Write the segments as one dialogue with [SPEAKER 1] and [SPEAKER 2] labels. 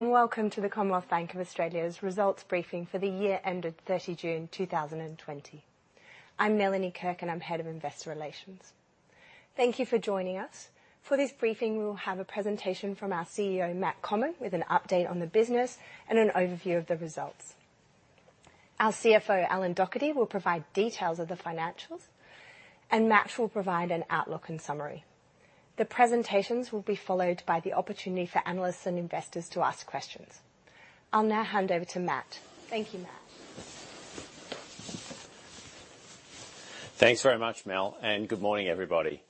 [SPEAKER 1] Welcome to the Commonwealth Bank of Australia's results briefing for the year ended 30 June 2020. I'm Melanie Kirk, and I'm head of investor relations. Thank you for joining us. For this briefing, we will have a presentation from our CEO, Matt Comyn, with an update on the business and an overview of the results. Our CFO, Alan Docherty, will provide details of the financials, and Matt will provide an outlook and summary. The presentations will be followed by the opportunity for analysts and investors to ask questions. I'll now hand over to Matt. Thank you, Matt.
[SPEAKER 2] Thanks very much, Mel, and good morning, everybody.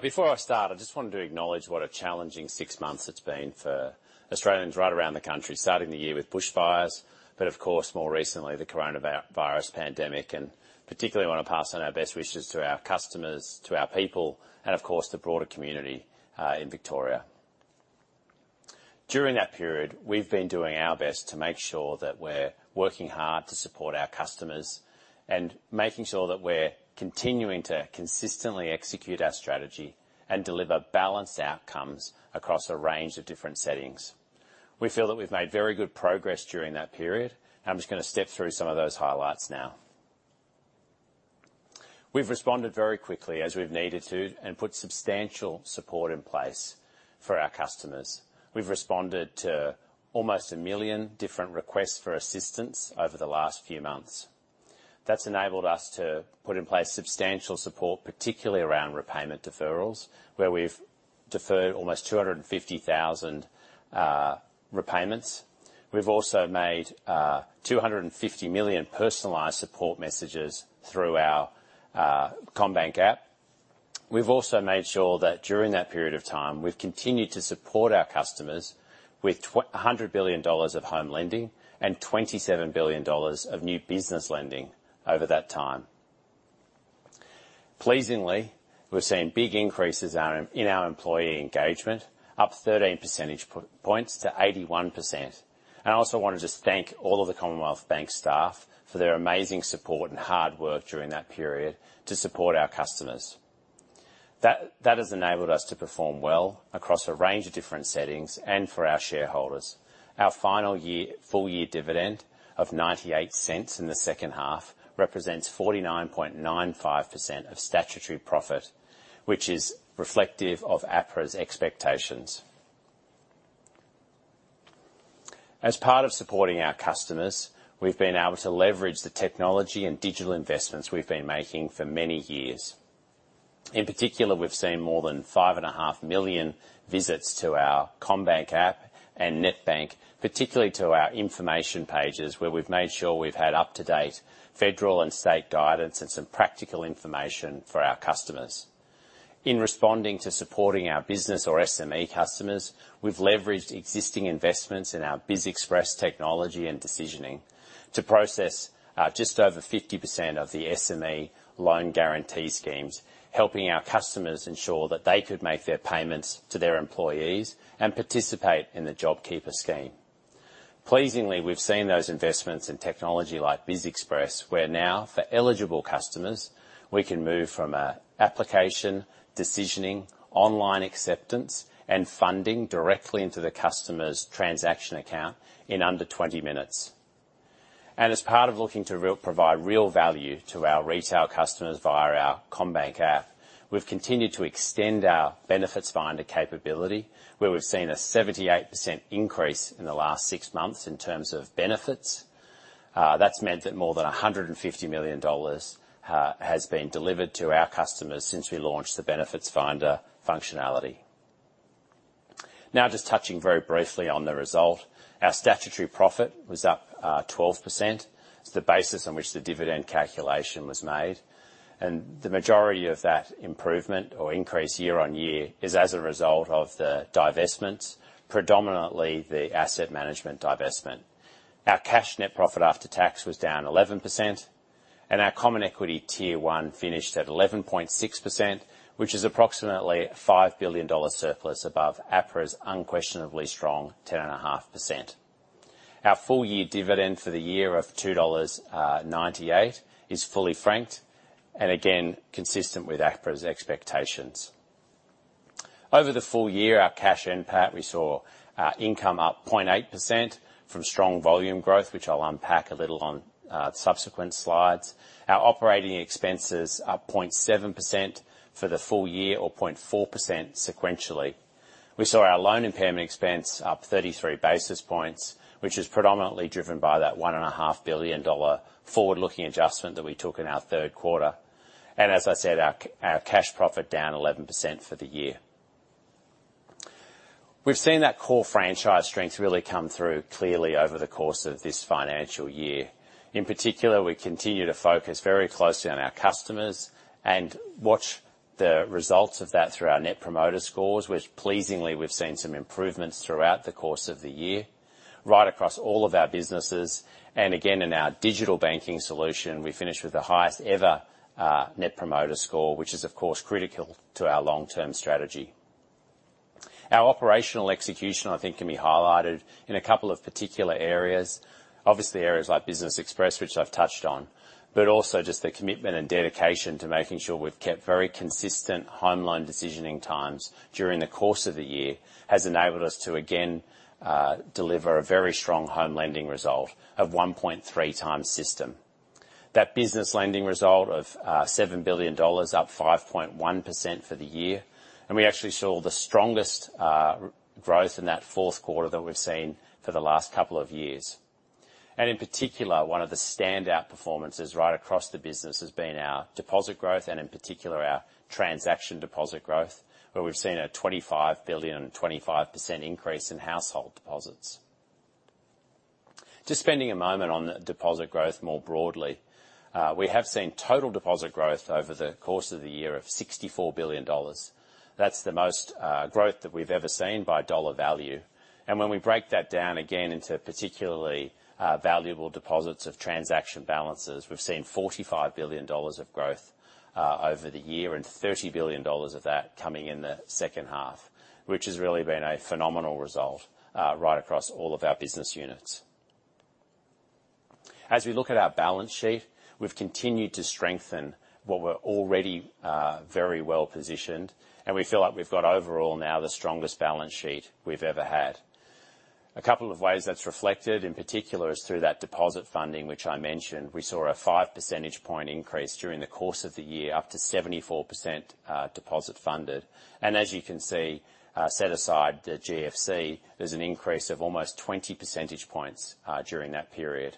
[SPEAKER 2] Before I start, I just wanted to acknowledge what a challenging six months it's been for Australians right around the country, starting the year with bushfires, but of course, more recently, the coronavirus pandemic, and particularly I want to pass on our best wishes to our customers, to our people, and of course, the broader community in Victoria. During that period, we've been doing our best to make sure that we're working hard to support our customers and making sure that we're continuing to consistently execute our strategy and deliver balanced outcomes across a range of different settings. We feel that we've made very good progress during that period, and I'm just going to step through some of those highlights now. We've responded very quickly, as we've needed to, and put substantial support in place for our customers. We've responded to almost a million different requests for assistance over the last few months. That's enabled us to put in place substantial support, particularly around repayment deferrals, where we've deferred almost 250,000 repayments. We've also made 250 million personalized support messages through our CommBank app. We've also made sure that during that period of time, we've continued to support our customers with 100 billion dollars of home lending and 27 billion dollars of new business lending over that time. Pleasingly, we've seen big increases in our employee engagement, up 13 percentage points to 81%. And I also want to just thank all of the Commonwealth Bank staff for their amazing support and hard work during that period to support our customers. That has enabled us to perform well across a range of different settings and for our shareholders. Our final full-year dividend of 0.98 in the second half represents 49.95% of statutory profit, which is reflective of APRA's expectations. As part of supporting our customers, we've been able to leverage the technology and digital investments we've been making for many years. In particular, we've seen more than 5.5 million visits to our CommBank app and NetBank, particularly to our information pages, where we've made sure we've had up-to-date federal and state guidance and some practical information for our customers. In responding to supporting our business or SME customers, we've leveraged existing investments in our BizExpress technology and decisioning to process just over 50% of the SME loan guarantee schemes, helping our customers ensure that they could make their payments to their employees and participate in the JobKeeper scheme. Pleasingly, we've seen those investments in technology like BizExpress, where now, for eligible customers, we can move from an application, decisioning, online acceptance, and funding directly into the customer's transaction account in under 20 minutes, and as part of looking to provide real value to our retail customers via our CommBank app, we've continued to extend our Benefits Finder capability, where we've seen a 78% increase in the last six months in terms of benefits. That's meant that more than 150 million dollars has been delivered to our customers since we launched the Benefits Finder functionality. Now, just touching very briefly on the result, our statutory profit was up 12%, the basis on which the dividend calculation was made, and the majority of that improvement or increase year on year is as a result of the divestments, predominantly the asset management divestment. Our cash net profit after tax was down 11%, and our Common Equity Tier 1 finished at 11.6%, which is approximately a 5 billion dollar surplus above APRA's Unquestionably Strong 10.5%. Our full-year dividend for the year of 2.98 dollars is fully franked and again consistent with APRA's expectations. Over the full year, our cash NPAT, we saw income up 0.8% from strong volume growth, which I'll unpack a little on subsequent slides. Our operating expenses up 0.7% for the full year, or 0.4% sequentially. We saw our loan impairment expense up 33 basis points, which is predominantly driven by that 1.5 billion dollar forward-looking adjustment that we took in our third quarter. As I said, our cash profit down 11% for the year. We've seen that core franchise strength really come through clearly over the course of this financial year. In particular, we continue to focus very closely on our customers and watch the results of that through our Net Promoter Scores, which pleasingly we've seen some improvements throughout the course of the year right across all of our businesses, and again, in our digital banking solution, we finished with the highest ever Net Promoter Score, which is, of course, critical to our long-term strategy. Our operational execution, I think, can be highlighted in a couple of particular areas, obviously areas like BizExpress, which I've touched on, but also just the commitment and dedication to making sure we've kept very consistent home loan decisioning times during the course of the year has enabled us to again deliver a very strong home lending result of 1.3 times system. That business lending result of 7 billion dollars up 5.1% for the year, and we actually saw the strongest growth in that fourth quarter that we've seen for the last couple of years. And in particular, one of the standout performances right across the business has been our deposit growth, and in particular our transaction deposit growth, where we've seen a 25 billion and 25% increase in household deposits. Just spending a moment on deposit growth more broadly, we have seen total deposit growth over the course of the year of 64 billion dollars. That's the most growth that we've ever seen by dollar value. And when we break that down again into particularly valuable deposits of transaction balances, we've seen 45 billion dollars of growth over the year and 30 billion dollars of that coming in the second half, which has really been a phenomenal result right across all of our business units. As we look at our balance sheet, we've continued to strengthen what we're already very well positioned, and we feel like we've got overall now the strongest balance sheet we've ever had. A couple of ways that's reflected, in particular, is through that deposit funding, which I mentioned. We saw a 5 percentage point increase during the course of the year, up to 74% deposit funded. And as you can see, set aside the GFC, there's an increase of almost 20 percentage points during that period.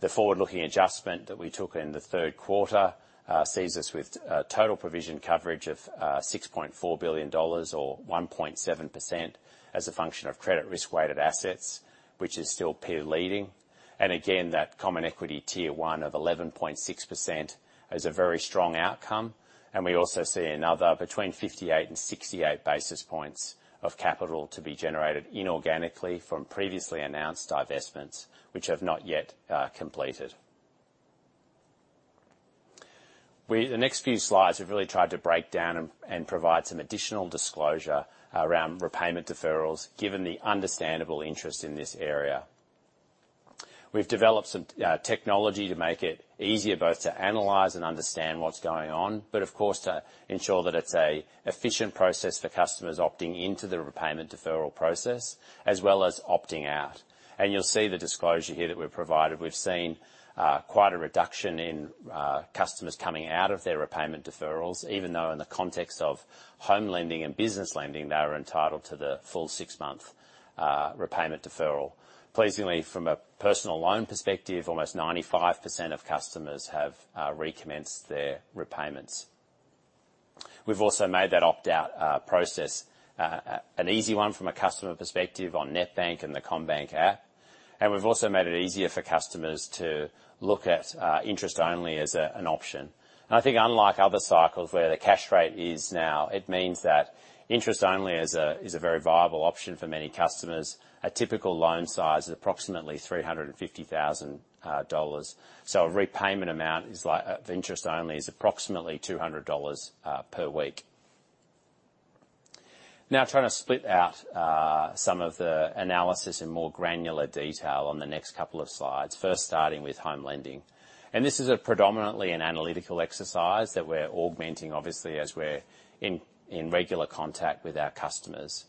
[SPEAKER 2] The forward-looking adjustment that we took in the third quarter sees us with total provision coverage of 6.4 billion dollars, or 1.7%, as a function of credit risk-weighted assets, which is still peer leading. And again, that common equity tier one of 11.6% is a very strong outcome. And we also see another between 58 and 68 basis points of capital to be generated inorganically from previously announced divestments, which have not yet completed. The next few slides, we've really tried to break down and provide some additional disclosure around repayment deferrals, given the understandable interest in this area. We've developed some technology to make it easier both to analyze and understand what's going on, but of course to ensure that it's an efficient process for customers opting into the repayment deferral process, as well as opting out. And you'll see the disclosure here that we've provided. We've seen quite a reduction in customers coming out of their repayment deferrals, even though in the context of home lending and business lending, they are entitled to the full six-month repayment deferral. Pleasingly, from a personal loan perspective, almost 95% of customers have recommenced their repayments. We've also made that opt-out process an easy one from a customer perspective on NetBank and the CommBank app. And we've also made it easier for customers to look at interest-only as an option. And I think unlike other cycles where the cash rate is now, it means that interest-only is a very viable option for many customers. A typical loan size is approximately 350,000 dollars. So a repayment amount of interest-only is approximately 200 dollars per week. Now, trying to split out some of the analysis in more granular detail on the next couple of slides, first starting with home lending. This is predominantly an analytical exercise that we're augmenting, obviously, as we're in regular contact with our customers.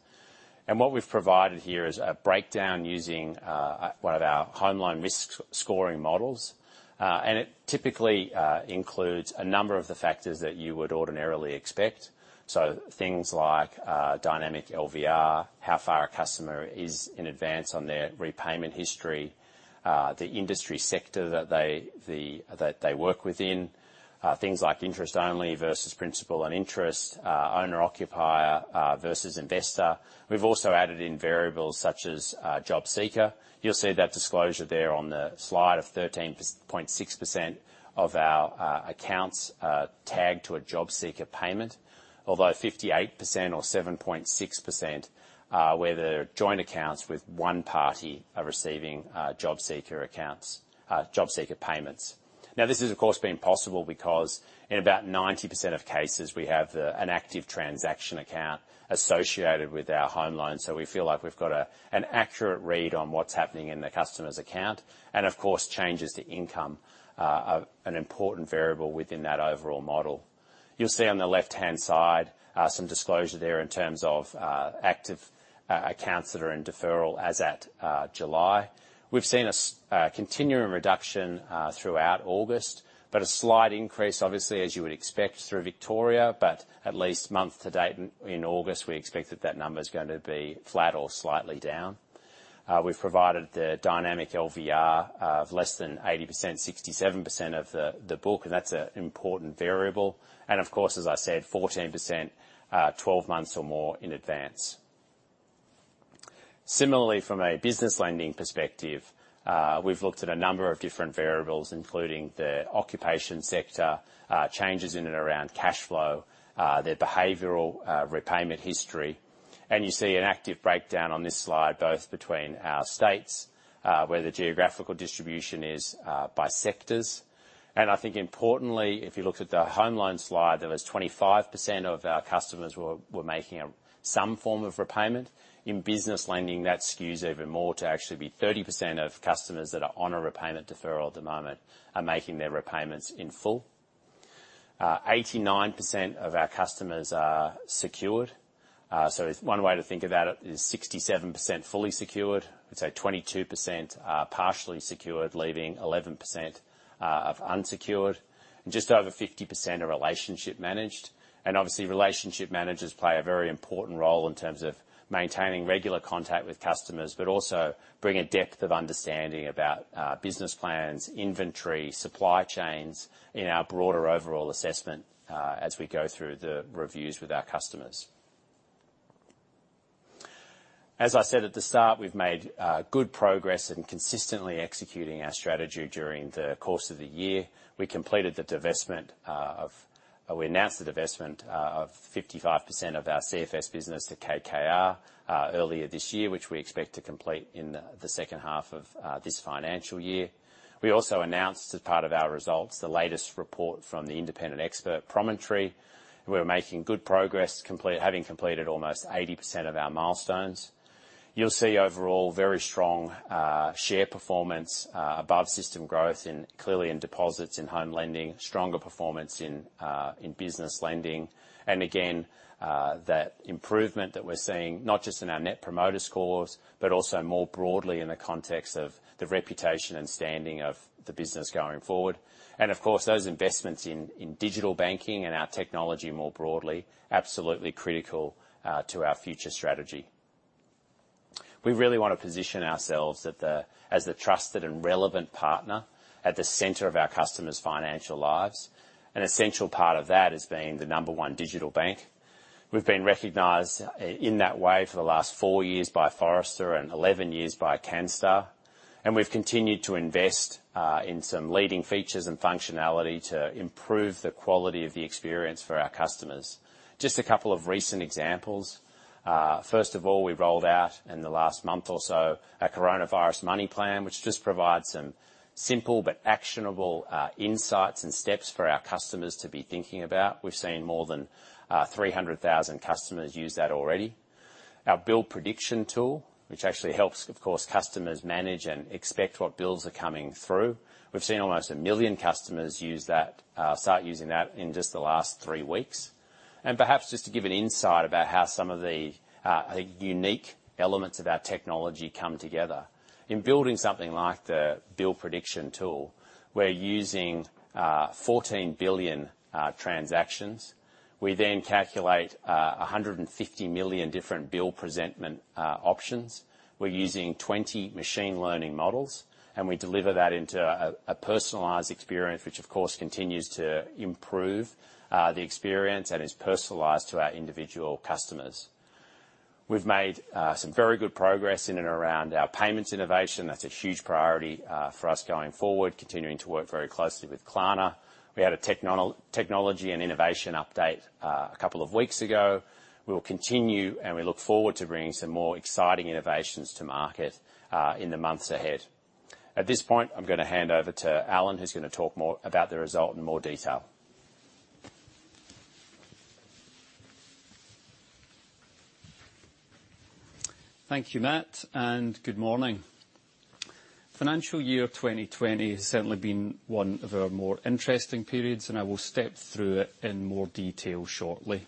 [SPEAKER 2] What we've provided here is a breakdown using one of our home loan risk scoring models. It typically includes a number of the factors that you would ordinarily expect, so things like Dynamic LVR, how far a customer is in advance on their repayment history, the industry sector that they work within, things like interest-only versus principal and interest, owner-occupier versus investor. We've also added in variables such as JobSeeker. You'll see that disclosure there on the slide of 13.6% of our accounts tagged to a JobSeeker payment, although 58% or 7.6% were the joint accounts with one party receiving JobSeeker accounts, JobSeeker payments. Now, this has, of course, been possible because in about 90% of cases, we have an active transaction account associated with our home loan, so we feel like we've got an accurate read on what's happening in the customer's account, and of course, changes to income are an important variable within that overall model. You'll see on the left-hand side some disclosure there in terms of active accounts that are in deferral as at July. We've seen a continuing reduction throughout August, but a slight increase, obviously, as you would expect through Victoria, but at least month to date in August, we expect that that number is going to be flat or slightly down. We've provided the dynamic LVR of less than 80%, 67% of the book, and that's an important variable, and of course, as I said, 14%, 12 months or more in advance. Similarly, from a business lending perspective, we've looked at a number of different variables, including the occupation sector, changes in and around cash flow, their behavioral repayment history, and you see an active breakdown on this slide both between our states, where the geographical distribution is by sectors. I think importantly, if you look at the home loan slide, there was 25% of our customers were making some form of repayment. In business lending, that skews even more to actually be 30% of customers that are on a repayment deferral at the moment are making their repayments in full. 89% of our customers are secured. So one way to think about it is 67% fully secured, I'd say 22% partially secured, leaving 11% of unsecured, and just over 50% are relationship managed. Obviously, relationship managers play a very important role in terms of maintaining regular contact with customers, but also bring a depth of understanding about business plans, inventory, supply chains in our broader overall assessment as we go through the reviews with our customers. As I said at the start, we've made good progress in consistently executing our strategy during the course of the year. We announced the divestment of 55% of our CFS business to KKR earlier this year, which we expect to complete in the second half of this financial year. We also announced, as part of our results, the latest report from the independent expert, Promontory. We're making good progress, having completed almost 80% of our milestones. You'll see overall very strong share performance above system growth, clearly in deposits, in home lending, stronger performance in business lending. Again, that improvement that we're seeing, not just in our net promoter scores, but also more broadly in the context of the reputation and standing of the business going forward. Of course, those investments in digital banking and our technology more broadly, absolutely critical to our future strategy. We really want to position ourselves as the trusted and relevant partner at the center of our customers' financial lives. An essential part of that has been the number one digital bank. We've been recognized in that way for the last four years by Forrester and 11 years by Canstar. We've continued to invest in some leading features and functionality to improve the quality of the experience for our customers. Just a couple of recent examples. First of all, we rolled out in the last month or so a Coronavirus Money Plan, which just provides some simple but actionable insights and steps for our customers to be thinking about. We've seen more than 300,000 customers use that already. Our Bill Prediction Tool, which actually helps, of course, customers manage and expect what bills are coming through. We've seen almost a million customers start using that in just the last three weeks. And perhaps just to give an insight about how some of the unique elements of our technology come together. In building something like the Bill Prediction Tool, we're using 14 billion transactions. We then calculate 150 million different bill presentment options. We're using 20 machine learning models, and we deliver that into a personalized experience, which of course continues to improve the experience and is personalized to our individual customers. We've made some very good progress in and around our payments innovation. That's a huge priority for us going forward, continuing to work very closely with Klarna. We had a technology and innovation update a couple of weeks ago. We will continue, and we look forward to bringing some more exciting innovations to market in the months ahead. At this point, I'm going to hand over to Alan, who's going to talk more about the result in more detail.
[SPEAKER 3] Thank you, Matt, and good morning. Financial year 2020 has certainly been one of our more interesting periods, and I will step through it in more detail shortly.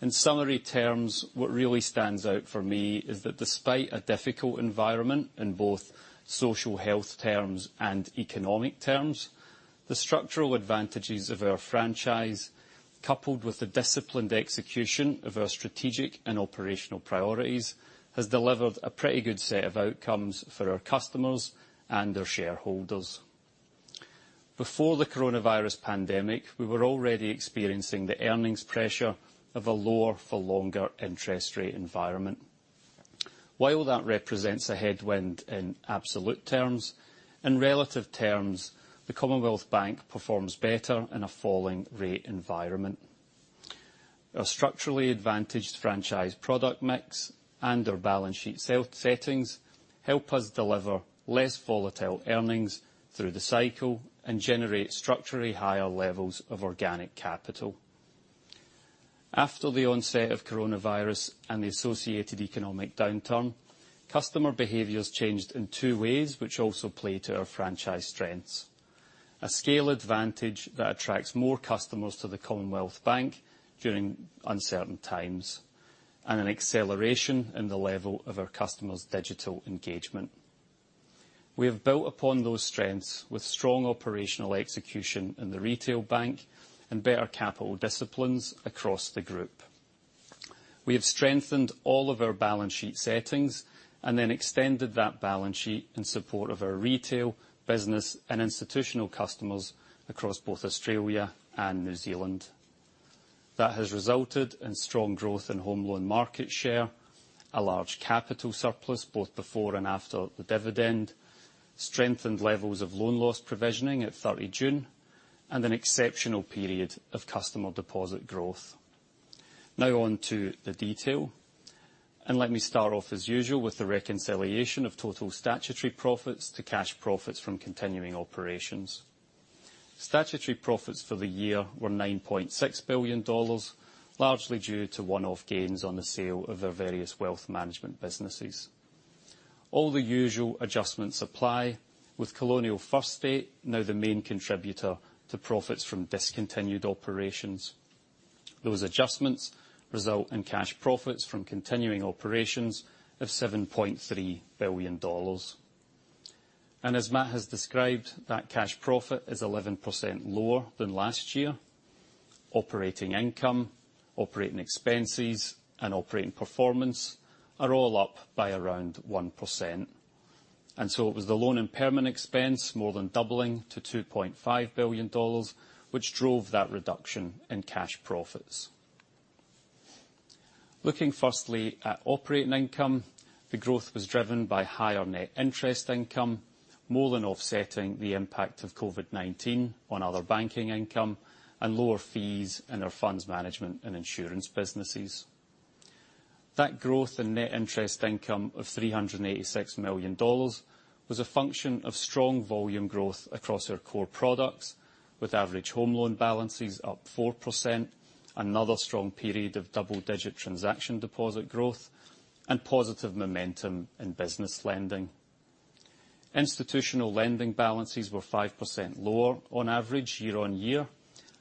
[SPEAKER 3] In summary terms, what really stands out for me is that despite a difficult environment in both social health terms and economic terms, the structural advantages of our franchise, coupled with the disciplined execution of our strategic and operational priorities, has delivered a pretty good set of outcomes for our customers and their shareholders. Before the coronavirus pandemic, we were already experiencing the earnings pressure of a lower-for-longer interest rate environment. While that represents a headwind in absolute terms, in relative terms, the Commonwealth Bank performs better in a falling rate environment. Our structurally advantaged franchise product mix and our balance sheet settings help us deliver less volatile earnings through the cycle and generate structurally higher levels of organic capital. After the onset of coronavirus and the associated economic downturn, customer behaviors changed in two ways, which also play to our franchise strengths: a scale advantage that attracts more customers to the Commonwealth Bank during uncertain times, and an acceleration in the level of our customers' digital engagement. We have built upon those strengths with strong operational execution in the retail bank and better capital disciplines across the group. We have strengthened all of our balance sheet settings and then extended that balance sheet in support of our retail, business, and institutional customers across both Australia and New Zealand. That has resulted in strong growth in home loan market share, a large capital surplus both before and after the dividend, strengthened levels of loan loss provisioning at 30 June, and an exceptional period of customer deposit growth. Now on to the detail. Let me start off, as usual, with the reconciliation of total statutory profits to cash profits from continuing operations. Statutory profits for the year were 9.6 billion dollars, largely due to one-off gains on the sale of our various wealth management businesses. All the usual adjustments apply, with Colonial First State now the main contributor to profits from discontinued operations. Those adjustments result in cash profits from continuing operations of 7.3 billion dollars. As Matt has described, that cash profit is 11% lower than last year. Operating income, operating expenses, and operating performance are all up by around 1%. So it was the loan impairment expense more than doubling to 2.5 billion dollars, which drove that reduction in cash profits. Looking firstly at operating income, the growth was driven by higher net interest income, more than offsetting the impact of COVID-19 on other banking income and lower fees in our funds management and insurance businesses. That growth in net interest income of 386 million dollars was a function of strong volume growth across our core products, with average home loan balances up 4%, another strong period of double-digit transaction deposit growth, and positive momentum in business lending. Institutional lending balances were 5% lower on average year on year.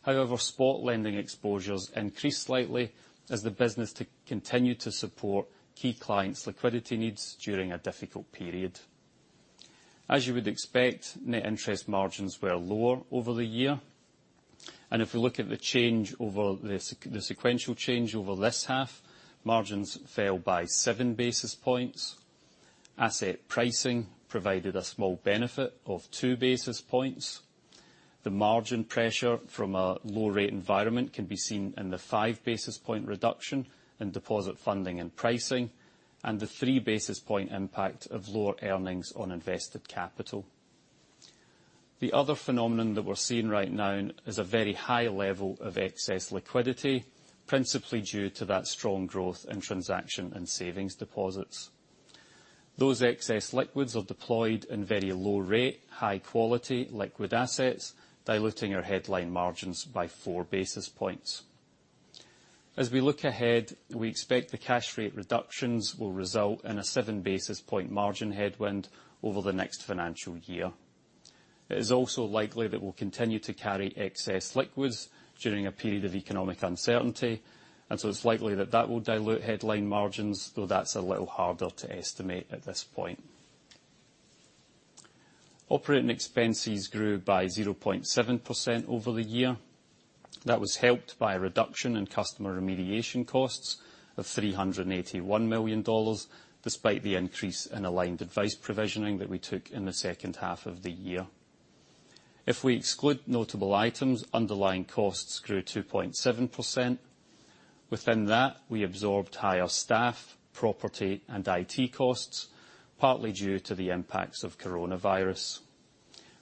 [SPEAKER 3] However, spot lending exposures increased slightly as the business continued to support key clients' liquidity needs during a difficult period. As you would expect, net interest margins were lower over the year, and if we look at the sequential change over this half, margins fell by 7 basis points. Asset pricing provided a small benefit of two basis points. The margin pressure from a low-rate environment can be seen in the five basis point reduction in deposit funding and pricing, and the three basis point impact of lower earnings on invested capital. The other phenomenon that we're seeing right now is a very high level of excess liquidity, principally due to that strong growth in transaction and savings deposits. Those excess liquidity are deployed in very low-rate, high-quality liquid assets, diluting our headline margins by four basis points. As we look ahead, we expect the cash rate reductions will result in a seven basis point margin headwind over the next financial year. It is also likely that we'll continue to carry excess liquidity during a period of economic uncertainty, and so it's likely that that will dilute headline margins, though that's a little harder to estimate at this point. Operating expenses grew by 0.7% over the year. That was helped by a reduction in customer remediation costs of 381 million dollars, despite the increase in Aligned Advice provisioning that we took in the second half of the year. If we exclude notable items, underlying costs grew 2.7%. Within that, we absorbed higher staff, property, and IT costs, partly due to the impacts of coronavirus.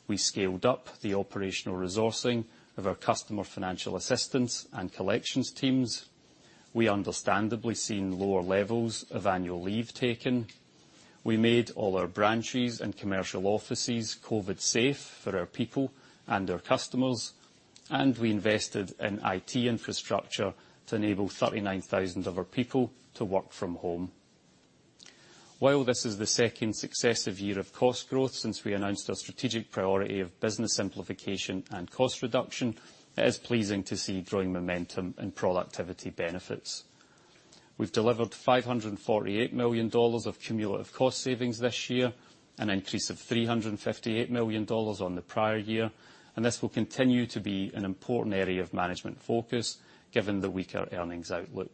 [SPEAKER 3] We scaled up the operational resourcing of our customer financial assistance and collections teams. We've understandably seen lower levels of annual leave taken. We made all our branches and commercial offices COVID-safe for our people and our customers, and we invested in IT infrastructure to enable 39,000 of our people to work from home. While this is the second successive year of cost growth since we announced our strategic priority of business simplification and cost reduction, it is pleasing to see growing momentum in productivity benefits. We've delivered 548 million dollars of cumulative cost savings this year, an increase of 358 million dollars on the prior year, and this will continue to be an important area of management focus given the weaker earnings outlook.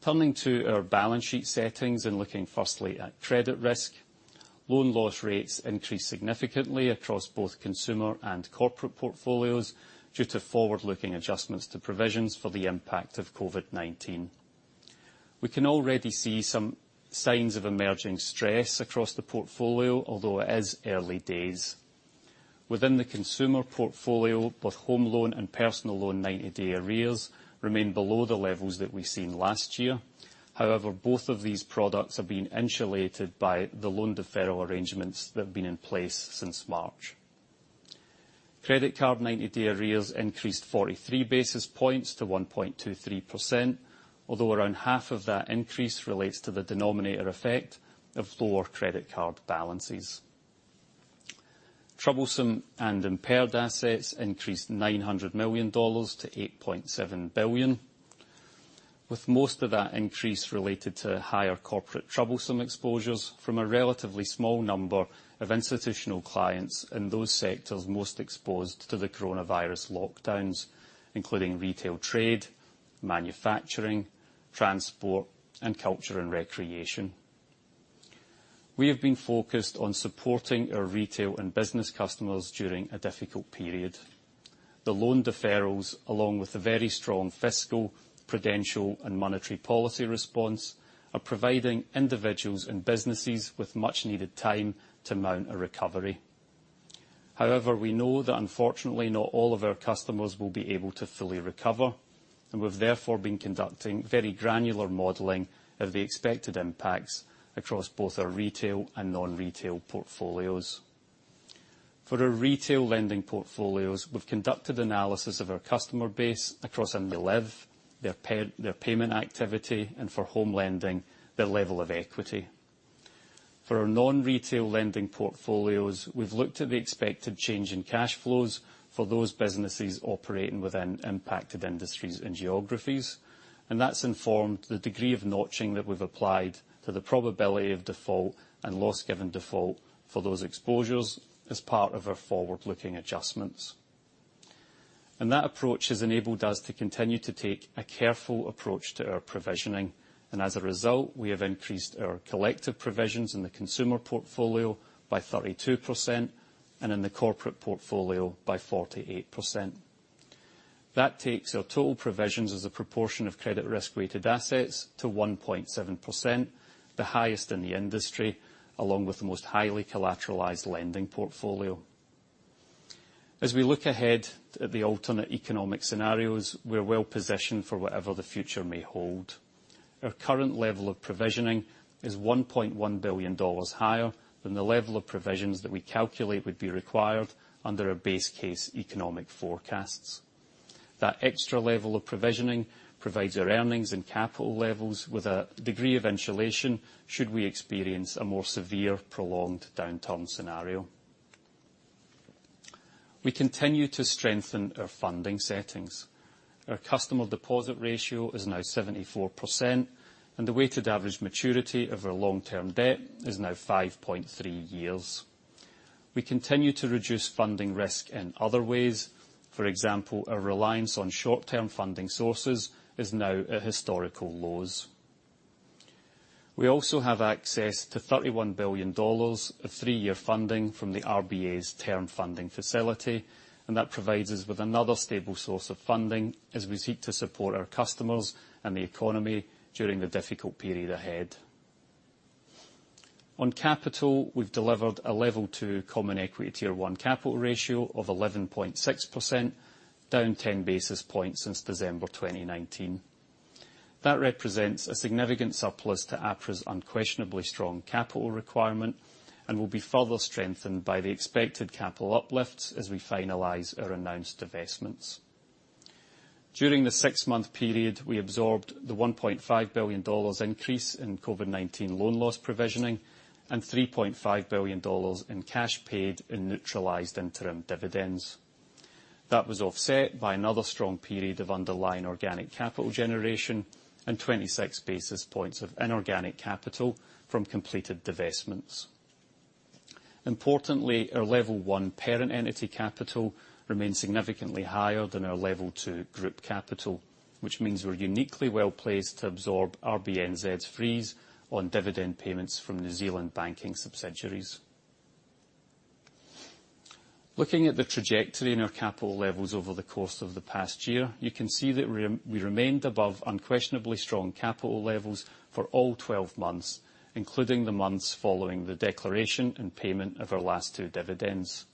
[SPEAKER 3] Turning to our balance sheet settings and looking firstly at credit risk, loan loss rates increased significantly across both consumer and corporate portfolios due to forward-looking adjustments to provisions for the impact of COVID-19. We can already see some signs of emerging stress across the portfolio, although it is early days. Within the consumer portfolio, both home loan and personal loan 90-day arrears remain below the levels that we've seen last year. However, both of these products are being insulated by the loan deferral arrangements that have been in place since March. Credit card 90-day arrears increased 43 basis points to 1.23%, although around half of that increase relates to the denominator effect of lower credit card balances. Troublesome and impaired assets increased 900 million dollars to 8.7 billion, with most of that increase related to higher corporate troublesome exposures from a relatively small number of institutional clients in those sectors most exposed to the coronavirus lockdowns, including retail trade, manufacturing, transport, and culture and recreation. We have been focused on supporting our retail and business customers during a difficult period. The loan deferrals, along with the very strong fiscal, prudential, and monetary policy response, are providing individuals and businesses with much-needed time to mount a recovery. However, we know that unfortunately not all of our customers will be able to fully recover, and we've therefore been conducting very granular modeling of the expected impacts across both our retail and non-retail portfolios. For our retail lending portfolios, we've conducted analysis of our customer base across where they live, their payment activity, and for home lending, their level of equity. For our non-retail lending portfolios, we've looked at the expected change in cash flows for those businesses operating within impacted industries and geographies, and that's informed the degree of notching that we've applied to the probability of default and loss-given default for those exposures as part of our forward-looking adjustments. That approach has enabled us to continue to take a careful approach to our provisioning, and as a result, we have increased our collective provisions in the consumer portfolio by 32% and in the corporate portfolio by 48%. That takes our total provisions as a proportion of credit risk-weighted assets to 1.7%, the highest in the industry, along with the most highly collateralized lending portfolio. As we look ahead at the alternate economic scenarios, we're well positioned for whatever the future may hold. Our current level of provisioning is 1.1 billion dollars higher than the level of provisions that we calculate would be required under our base case economic forecasts. That extra level of provisioning provides our earnings and capital levels with a degree of insulation should we experience a more severe prolonged downturn scenario. We continue to strengthen our funding settings. Our customer deposit ratio is now 74%, and the weighted average maturity of our long-term debt is now 5.3 years. We continue to reduce funding risk in other ways. For example, our reliance on short-term funding sources is now at historical lows. We also have access to 31 billion dollars of three-year funding from the RBA's Term Funding Facility, and that provides us with another stable source of funding as we seek to support our customers and the economy during the difficult period ahead. On capital, we've delivered a Level 2 Common Equity Tier 1 capital ratio of 11.6%, down 10 basis points since December 2019. That represents a significant surplus to APRA's Unquestionably Strong capital requirement and will be further strengthened by the expected capital uplifts as we finalize our announced investments. During the six-month period, we absorbed the 1.5 billion dollars increase in COVID-19 loan loss provisioning and 3.5 billion dollars in cash paid in neutralized interim dividends. That was offset by another strong period of underlying organic capital generation and 26 basis points of inorganic capital from completed divestments. Importantly, our level one parent entity capital remains significantly higher than our level two group capital, which means we're uniquely well placed to absorb RBNZ's freeze on dividend payments from New Zealand banking subsidiaries. Looking at the trajectory in our capital levels over the course of the past year, you can see that we remained above Unquestionably Strong capital levels for all 12 months, including the months following the declaration and payment of our last two dividends.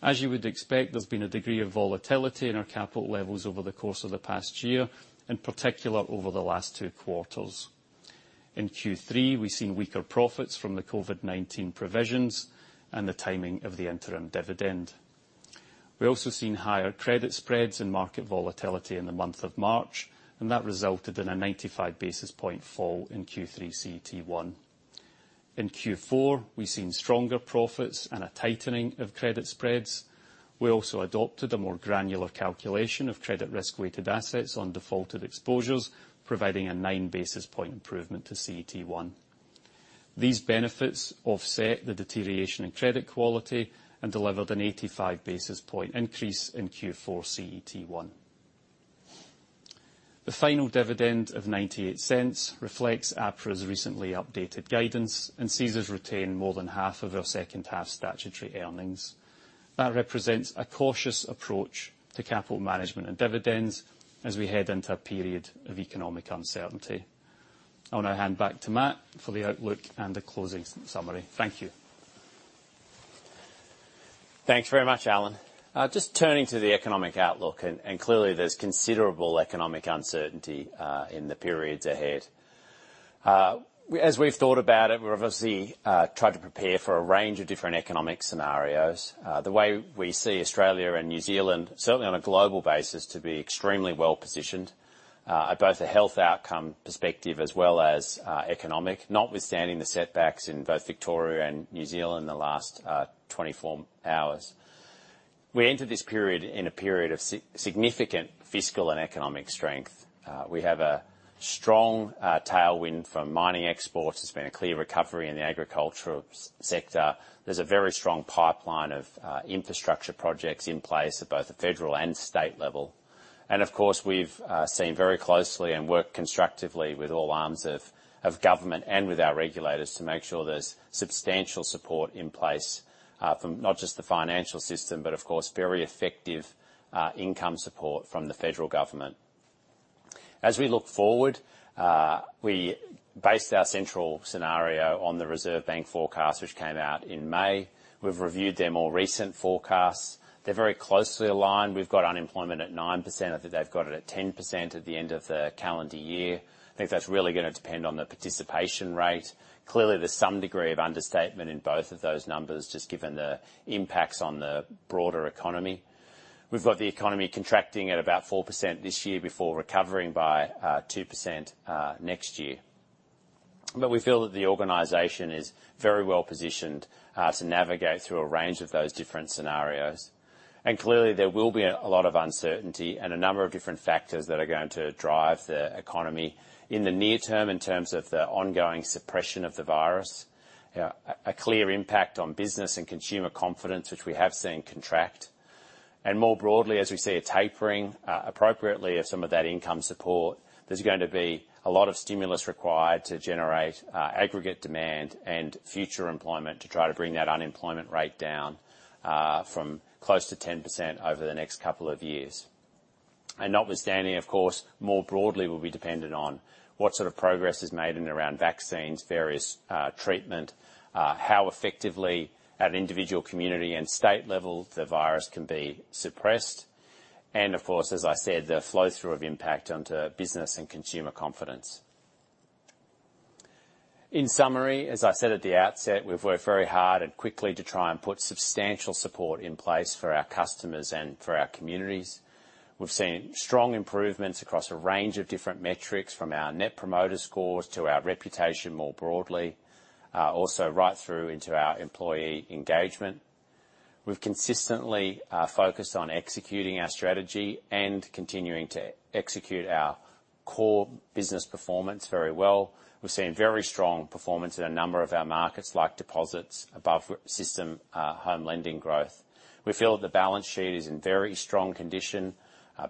[SPEAKER 3] As you would expect, there's been a degree of volatility in our capital levels over the course of the past year, in particular over the last two quarters. In Q3, we've seen weaker profits from the COVID-19 provisions and the timing of the interim dividend. We've also seen higher credit spreads and market volatility in the month of March, and that resulted in a 95 basis point fall in Q3 CET1. In Q4, we've seen stronger profits and a tightening of credit spreads. We also adopted a more granular calculation of credit risk-weighted assets on defaulted exposures, providing a 9 basis point improvement to CET1. These benefits offset the deterioration in credit quality and delivered an 85 basis point increase in Q4 CET1. The final dividend of 0.98 reflects APRA's recently updated guidance and sees us retain more than half of our second half statutory earnings. That represents a cautious approach to capital management and dividends as we head into a period of economic uncertainty. I'll now hand back to Matt for the outlook and the closing summary. Thank you.
[SPEAKER 2] Thanks very much, Alan. Just turning to the economic outlook, and clearly there's considerable economic uncertainty in the periods ahead. As we've thought about it, we've obviously tried to prepare for a range of different economic scenarios. The way we see Australia and New Zealand, certainly on a global basis, to be extremely well positioned at both a health outcome perspective as well as economic, notwithstanding the setbacks in both Victoria and New Zealand in the last 24 hours. We entered this period in a period of significant fiscal and economic strength. We have a strong tailwind from mining exports. There's been a clear recovery in the agricultural sector. There's a very strong pipeline of infrastructure projects in place at both the federal and state level, and of course, we've seen very closely and worked constructively with all arms of government and with our regulators to make sure there's substantial support in place from not just the financial system, but of course, very effective income support from the federal government. As we look forward, we based our central scenario on the Reserve Bank forecast, which came out in May. We've reviewed their more recent forecasts. They're very closely aligned. We've got unemployment at 9%. I think they've got it at 10% at the end of the calendar year. I think that's really going to depend on the participation rate. Clearly, there's some degree of understatement in both of those numbers, just given the impacts on the broader economy. We've got the economy contracting at about 4% this year before recovering by 2% next year. But we feel that the organization is very well positioned to navigate through a range of those different scenarios. And clearly, there will be a lot of uncertainty and a number of different factors that are going to drive the economy in the near term in terms of the ongoing suppression of the virus, a clear impact on business and consumer confidence, which we have seen contract, and more broadly, as we see a tapering appropriately of some of that income support. There's going to be a lot of stimulus required to generate aggregate demand and future employment to try to bring that unemployment rate down from close to 10% over the next couple of years. Notwithstanding, of course, more broadly, we'll be dependent on what sort of progress is made in and around vaccines, various treatment, how effectively at individual community and state level the virus can be suppressed, and of course, as I said, the flow-through of impact onto business and consumer confidence. In summary, as I said at the outset, we've worked very hard and quickly to try and put substantial support in place for our customers and for our communities. We've seen strong improvements across a range of different metrics, from our net promoter scores to our reputation more broadly, also right through into our employee engagement. We've consistently focused on executing our strategy and continuing to execute our core business performance very well. We've seen very strong performance in a number of our markets like deposits above system home lending growth. We feel that the balance sheet is in very strong condition,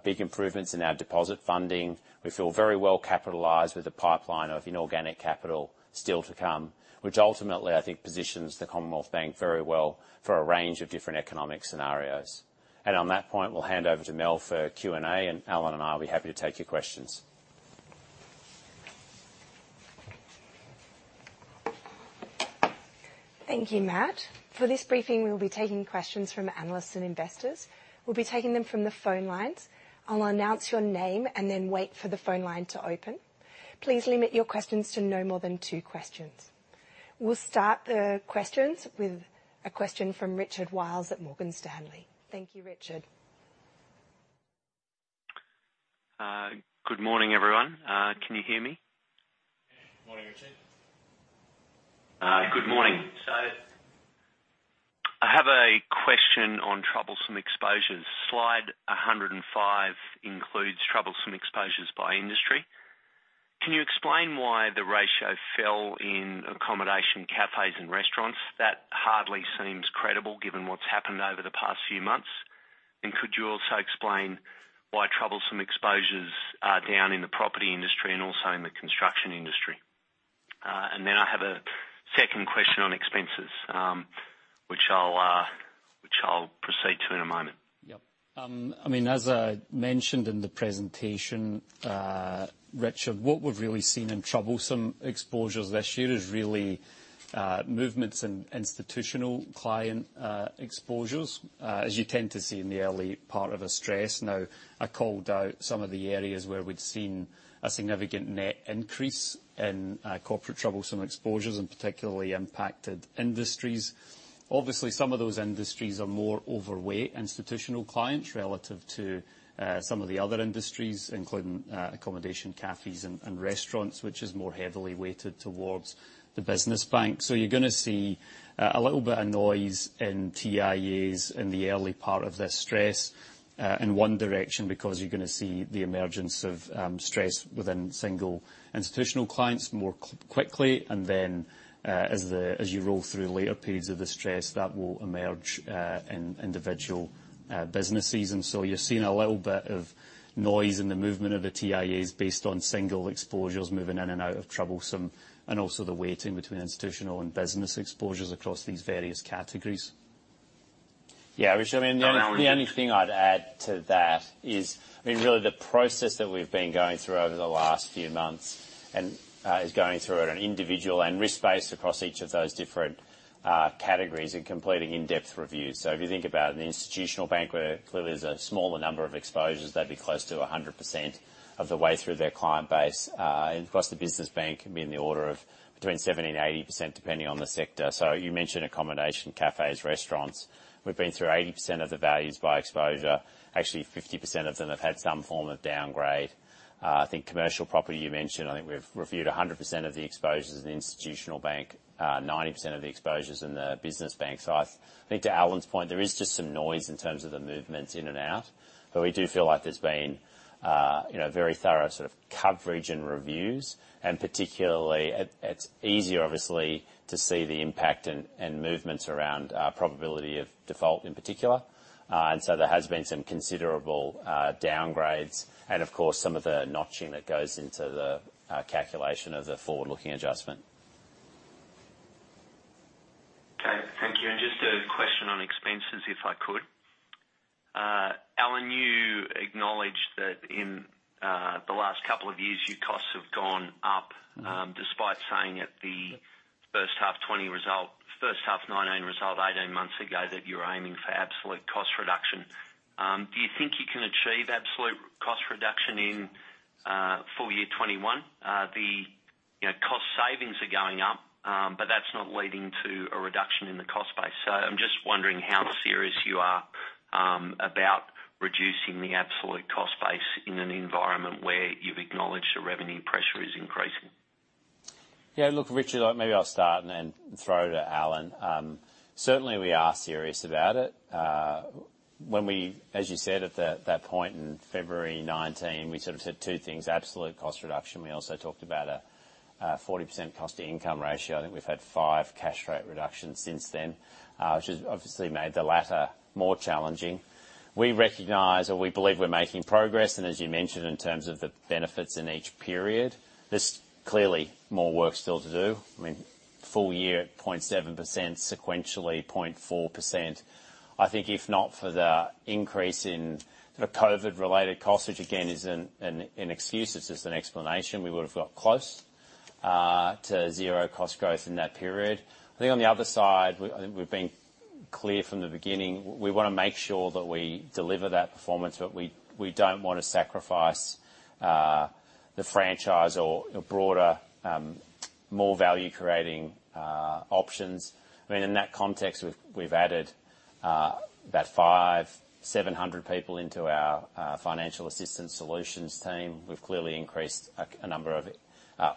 [SPEAKER 2] big improvements in our deposit funding. We feel very well capitalized with a pipeline of inorganic capital still to come, which ultimately, I think, positions the Commonwealth Bank very well for a range of different economic scenarios, and on that point, we'll hand over to Mel for Q&A, and Alan and I will be happy to take your questions.
[SPEAKER 1] Thank you, Matt. For this briefing, we'll be taking questions from analysts and investors. We'll be taking them from the phone lines. I'll announce your name and then wait for the phone line to open. Please limit your questions to no more than two questions. We'll start the questions with a question from Richard Wiles at Morgan Stanley. Thank you, Richard.
[SPEAKER 4] Good morning, everyone. Can you hear me?
[SPEAKER 2] Morning, Richard.
[SPEAKER 4] Good morning. I have a question on troublesome exposures. Slide 105 includes troublesome exposures by industry. Can you explain why the ratio fell in accommodation cafés and restaurants? That hardly seems credible given what's happened over the past few months. And could you also explain why troublesome exposures are down in the property industry and also in the construction industry? And then I have a second question on expenses, which I'll proceed to in a moment.
[SPEAKER 3] Yep. I mean, as I mentioned in the presentation, Richard, what we've really seen in troublesome exposures this year is really movements and institutional client exposures, as you tend to see in the early part of a stress. Now, I called out some of the areas where we'd seen a significant net increase in corporate troublesome exposures, and particularly impacted industries. Obviously, some of those industries are more overweight institutional clients relative to some of the other industries, including accommodation cafés and restaurants, which is more heavily weighted towards the business bank. So you're going to see a little bit of noise in TIAs in the early part of this stress in one direction because you're going to see the emergence of stress within single institutional clients more quickly, and then, as you roll through later periods of the stress, that will emerge in individual businesses. And so you've seen a little bit of noise in the movement of the TIAs based on single exposures moving in and out of troublesome and also the weighting between institutional and business exposures across these various categories.
[SPEAKER 2] Yeah, Richard. I mean, the only thing I'd add to that is, I mean, really the process that we've been going through over the last few months and is going through at an individual and risk-based across each of those different categories and completing in-depth reviews. So if you think about it, the institutional bank, where clearly there's a smaller number of exposures, they'd be close to 100% of the way through their client base. And across the business bank, it'd be in the order of between 70% and 80%, depending on the sector. So you mentioned accommodation cafés, restaurants. We've been through 80% of the values by exposure. Actually, 50% of them have had some form of downgrade. I think commercial property you mentioned. I think we've reviewed 100% of the exposures in the institutional bank, 90% of the exposures in the business bank side. I think to Alan's point, there is just some noise in terms of the movements in and out, but we do feel like there's been very thorough sort of coverage and reviews. Particularly, it's easier, obviously, to see the impact and movements around probability of default in particular. So there has been some considerable downgrades and, of course, some of the notching that goes into the calculation of the forward-looking adjustment.
[SPEAKER 4] Okay. Thank you. And just a question on expenses, if I could. Alan, you acknowledged that in the last couple of years, your costs have gone up despite saying at the first half 2020 result, first half 2019 result 18 months ago that you were aiming for absolute cost reduction. Do you think you can achieve absolute cost reduction in full year 2021? The cost savings are going up, but that's not leading to a reduction in the cost base. So I'm just wondering how serious you are about reducing the absolute cost base in an environment where you've acknowledged the revenue pressure is increasing.
[SPEAKER 2] Yeah. Look, Richard, maybe I'll start and then throw it at Alan. Certainly, we are serious about it. When we, as you said, at that point in February 2019, we sort of said two things: absolute cost reduction. We also talked about a 40% cost-to-income ratio. I think we've had five cash rate reductions since then, which has obviously made the latter more challenging. We recognize or we believe we're making progress. And as you mentioned, in terms of the benefits in each period, there's clearly more work still to do. I mean, full year at 0.7%, sequentially 0.4%. I think if not for the increase in sort of COVID-related costs, which again isn't an excuse, it's just an explanation, we would have got close to zero cost growth in that period. I think on the other side, I think we've been clear from the beginning. We want to make sure that we deliver that performance, but we don't want to sacrifice the franchise or broader, more value-creating options. I mean, in that context, we've added about 5,700 people into our financial assistance solutions team. We've clearly increased a number of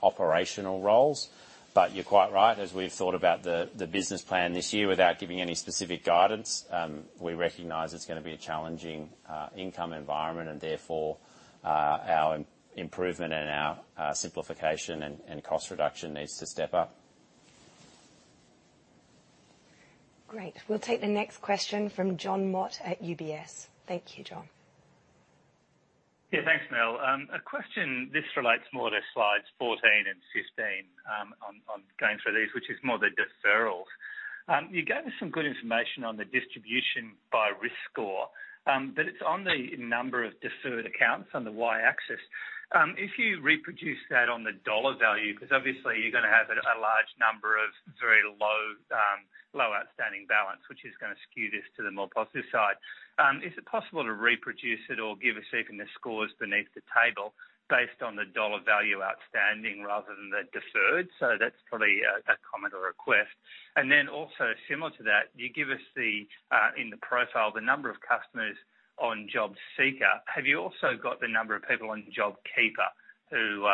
[SPEAKER 2] operational roles. But you're quite right. As we've thought about the business plan this year without giving any specific guidance, we recognize it's going to be a challenging income environment, and therefore our improvement and our simplification and cost reduction needs to step up.
[SPEAKER 1] Great. We'll take the next question from John Mott at UBS. Thank you, John.
[SPEAKER 5] Yeah, thanks, Mel. A question, this relates more to slides 14 and 15. I'm going through these, which is more the deferrals. You gave us some good information on the distribution by risk score, but it's on the number of deferred accounts on the Y-axis. If you reproduce that on the dollar value, because obviously you're going to have a large number of very low, low outstanding balance, which is going to skew this to the more positive side, is it possible to reproduce it or give us even the scores beneath the table based on the dollar value outstanding rather than the deferred? So that's probably a comment or request. And then also similar to that, you give us in the profile the number of customers on JobSeeker. Have you also got the number of people on JobKeeper who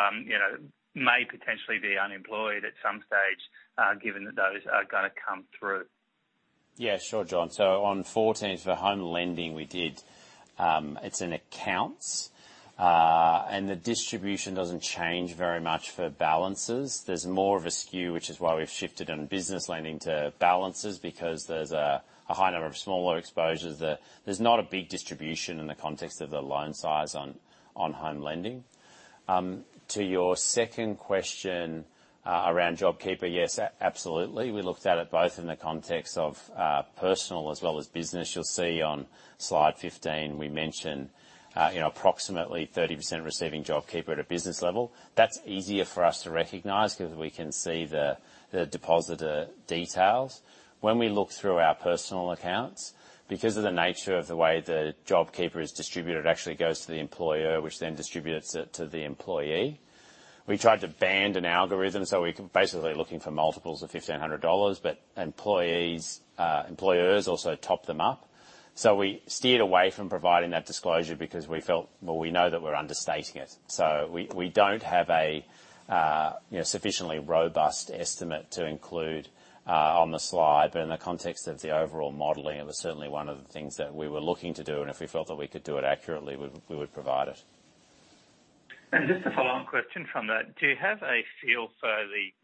[SPEAKER 5] may potentially be unemployed at some stage, given that those are going to come through?
[SPEAKER 2] Yeah, sure, John. So on 14th, for home lending, we did. It's in accounts, and the distribution doesn't change very much for balances. There's more of a skew, which is why we've shifted on business lending to balances because there's a high number of smaller exposures. There's not a big distribution in the context of the loan size on home lending. To your second question around JobKeeper, yes, absolutely. We looked at it both in the context of personal as well as business. You'll see on slide 15, we mentioned approximately 30% receiving JobKeeper at a business level. That's easier for us to recognize because we can see the depositor details. When we look through our personal accounts, because of the nature of the way the JobKeeper is distributed, it actually goes to the employer, which then distributes it to the employee. We tried to build an algorithm, so we're basically looking for multiples of 1,500 dollars, but employers also top them up. So we steered away from providing that disclosure because we felt, well, we know that we're understating it. So we don't have a sufficiently robust estimate to include on the slide, but in the context of the overall modeling, it was certainly one of the things that we were looking to do. And if we felt that we could do it accurately, we would provide it.
[SPEAKER 5] Just a follow-up question from that. Do you have a feel for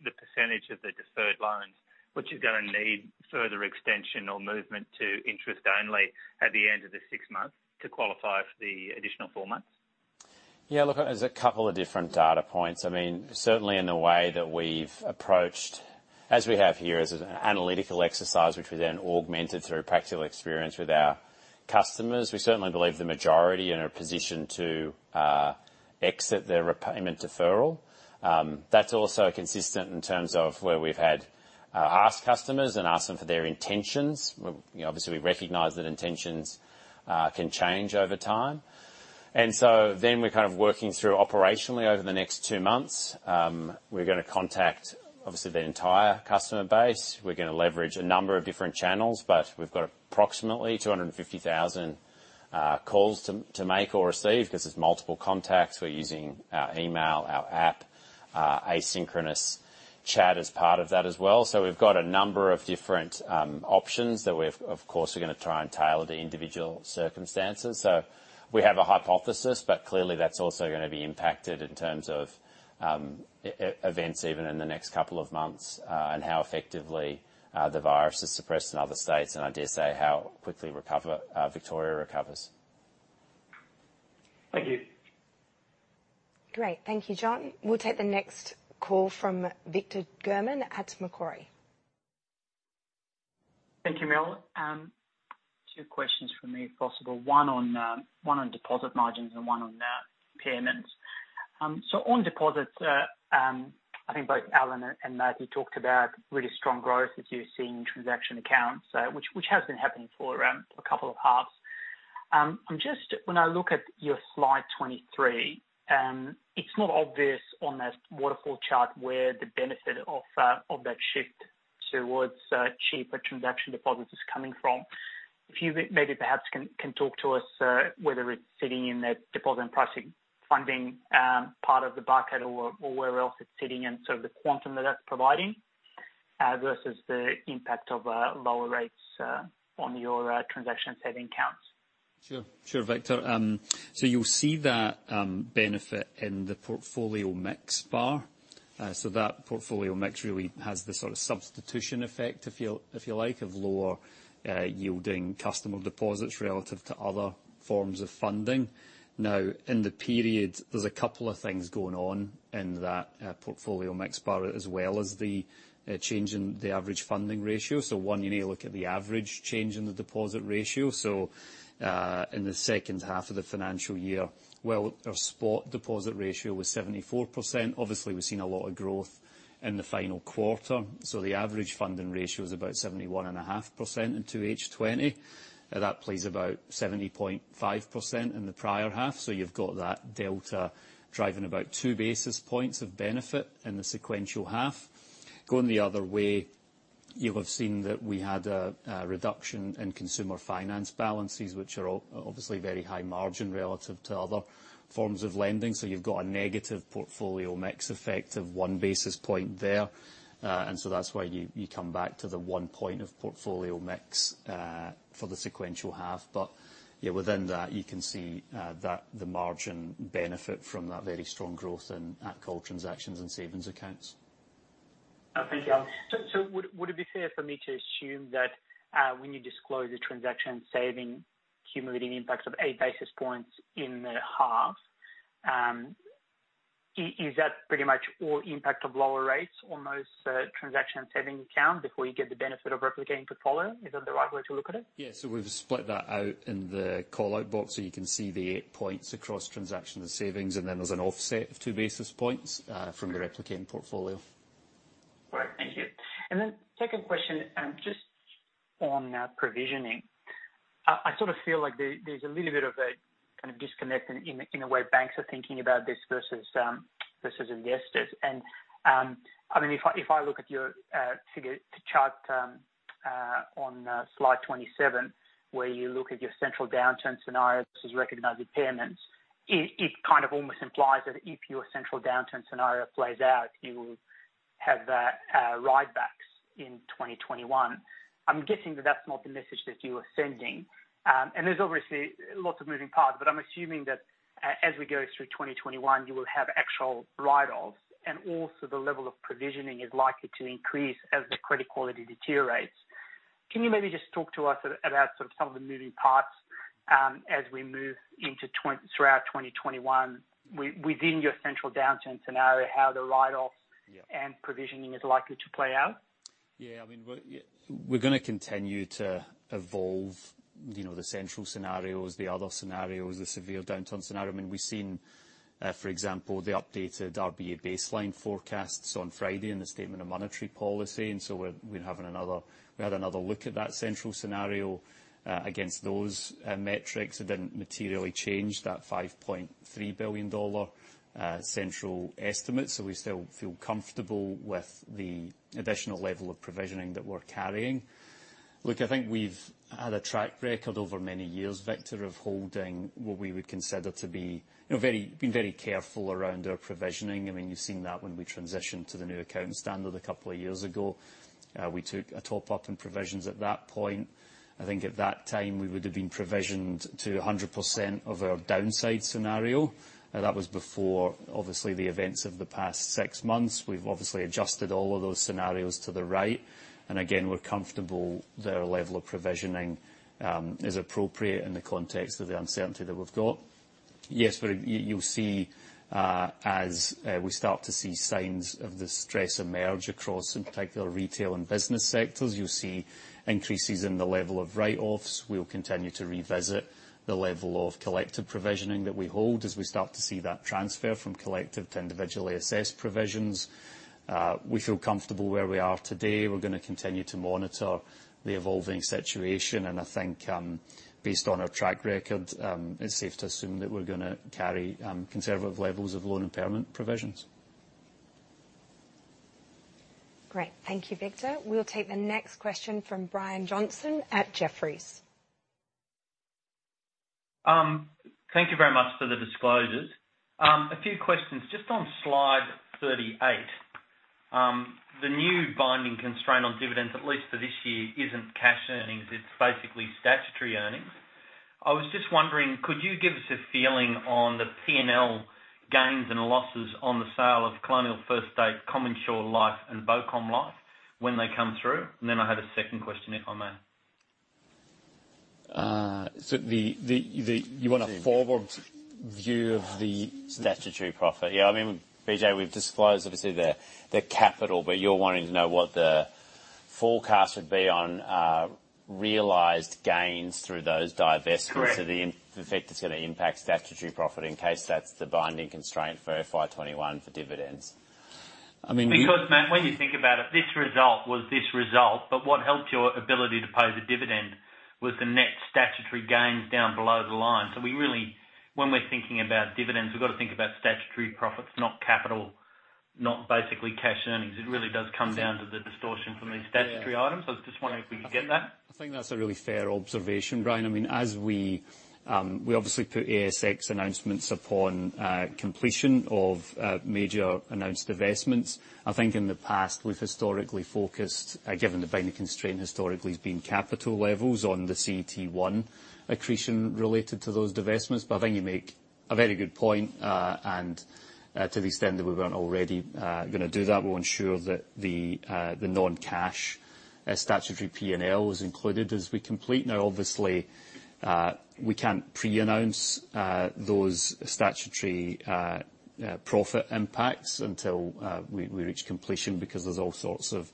[SPEAKER 5] the percentage of the deferred loans which are going to need further extension or movement to interest only at the end of the six months to qualify for the additional four months?
[SPEAKER 2] Yeah, look, there's a couple of different data points. I mean, certainly in the way that we've approached, as we have here as an analytical exercise, which we then augmented through practical experience with our customers, we certainly believe the majority are in a position to exit their repayment deferral. That's also consistent in terms of where we've had asked customers and asked them for their intentions. Obviously, we recognize that intentions can change over time, and so then we're kind of working through operationally over the next two months. We're going to contact, obviously, the entire customer base. We're going to leverage a number of different channels, but we've got approximately 250,000 calls to make or receive because there's multiple contacts. We're using our email, our app, asynchronous chat as part of that as well. So we've got a number of different options that we're, of course, going to try and tailor to individual circumstances, so we have a hypothesis, but clearly that's also going to be impacted in terms of events even in the next couple of months and how effectively the virus is suppressed in other states and, I dare say, how quickly Victoria recovers.
[SPEAKER 5] Thank you.
[SPEAKER 1] Great. Thank you, John. We'll take the next call from Victor German at Macquarie.
[SPEAKER 6] Thank you, Mel. Two questions for me, if possible. One on deposit margins and one on payments. So on deposits, I think both Alan and Matthew talked about really strong growth that you're seeing in transaction accounts, which has been happening for a couple of halves. When I look at your slide 23, it's not obvious on that waterfall chart where the benefit of that shift towards cheaper transaction deposits is coming from. If you maybe perhaps can talk to us whether it's sitting in that deposit and pricing funding part of the bucket or where else it's sitting in sort of the quantum that that's providing versus the impact of lower rates on your transaction savings accounts.
[SPEAKER 3] Sure, sure, Victor. So you'll see that benefit in the portfolio mix bar. So that portfolio mix really has the sort of substitution effect, if you like, of lower-yielding customer deposits relative to other forms of funding. Now, in the period, there's a couple of things going on in that portfolio mix bar as well as the change in the average funding ratio. So one, you need to look at the average change in the deposit ratio. So in the second half of the financial year, well, our spot deposit ratio was 74%. Obviously, we've seen a lot of growth in the final quarter. So the average funding ratio is about 71.5% in 2H20. That plays about 70.5% in the prior half. So you've got that delta driving about two basis points of benefit in the sequential half. Going the other way, you'll have seen that we had a reduction in consumer finance balances, which are obviously very high margin relative to other forms of lending. So you've got a negative portfolio mix effect of one basis point there. And so that's why you come back to the one point of portfolio mix for the sequential half. But within that, you can see that the margin benefit from that very strong growth in card transactions and savings accounts.
[SPEAKER 6] Thank you, Alan. So would it be fair for me to assume that when you disclose a transaction savings cumulative impact of eight basis points in the half, is that pretty much all impact of lower rates on those transaction savings accounts before you get the benefit of replicating portfolio? Is that the right way to look at it?
[SPEAKER 3] Yeah. So we've split that out in the callout box so you can see the eight points across transactions and savings, and then there's an offset of two basis points from the replicating portfolio.
[SPEAKER 6] Great. Thank you. And then second question, just on provisioning, I sort of feel like there's a little bit of a kind of disconnect in the way banks are thinking about this versus investors. And I mean, if I look at your figure, the chart on slide 27, where you look at your central downturn scenario's recognized provisions, it kind of almost implies that if your central downturn scenario plays out, you will have write-backs in 2021. I'm guessing that that's not the message that you are sending. And there's obviously lots of moving parts, but I'm assuming that as we go through 2021, you will have actual write-offs, and also the level of provisioning is likely to increase as the credit quality deteriorates. Can you maybe just talk to us about sort of some of the moving parts as we move into throughout 2021 within your central downturn scenario, how the write-offs and provisioning is likely to play out?
[SPEAKER 3] Yeah. I mean, we're going to continue to evolve the central scenarios, the other scenarios, the severe downturn scenario. I mean, we've seen, for example, the updated RBA baseline forecasts on Friday in the Statement on Monetary Policy. And so we had another look at that central scenario against those metrics. It didn't materially change that 5.3 billion dollar central estimate. So we still feel comfortable with the additional level of provisioning that we're carrying. Look, I think we've had a track record over many years, Victor, of holding what we would consider to be being very careful around our provisioning. I mean, you've seen that when we transitioned to the new accounting standard a couple of years ago. We took a top-up in provisions at that point. I think at that time, we would have been provisioned to 100% of our downside scenario. That was before, obviously, the events of the past six months. We've obviously adjusted all of those scenarios to the right. And again, we're comfortable that our level of provisioning is appropriate in the context of the uncertainty that we've got. Yes, but you'll see as we start to see signs of the stress emerge across some particular retail and business sectors, you'll see increases in the level of write-offs. We'll continue to revisit the level of collective provisioning that we hold as we start to see that transfer from collective to individually assessed provisions. We feel comfortable where we are today. We're going to continue to monitor the evolving situation. And I think based on our track record, it's safe to assume that we're going to carry conservative levels of loan impairment provisions.
[SPEAKER 1] Great. Thank you, Victor. We'll take the next question from Brian Johnson at Jefferies.
[SPEAKER 7] Thank you very much for the disclosures. A few questions just on slide 38. The new binding constraint on dividends, at least for this year, isn't cash earnings. It's basically statutory earnings. I was just wondering, could you give us a feeling on the P&L gains and losses on the sale of Colonial First State, CommInsure Life, and BoComm Life when they come through? And then I had a second question, if I may.
[SPEAKER 3] So you want a forward view of the
[SPEAKER 2] statutory profit? Yeah. I mean, BJ, we've disclosed obviously the capital, but you're wanting to know what the forecast would be on realized gains through those divestments and the effect it's going to impact statutory profit in case that's the binding constraint for FY21 for dividends. I mean.
[SPEAKER 7] Because, Matt, when you think about it, this result was this result, but what helped your ability to pay the dividend was the net statutory gains down below the line. So when we're thinking about dividends, we've got to think about statutory profits, not capital, not basically cash earnings. It really does come down to the distortion from these statutory items. I was just wondering if we could get that.
[SPEAKER 3] I think that's a really fair observation, Brian. I mean, as we obviously put ASX announcements upon completion of major announced divestments, I think in the past, we've historically focused, given the binding constraint historically has been capital levels on the CET1 accretion related to those divestments. But I think you make a very good point. And to the extent that we weren't already going to do that, we'll ensure that the non-cash statutory P&L is included as we complete. Now, obviously, we can't pre-announce those statutory profit impacts until we reach completion because there's all sorts of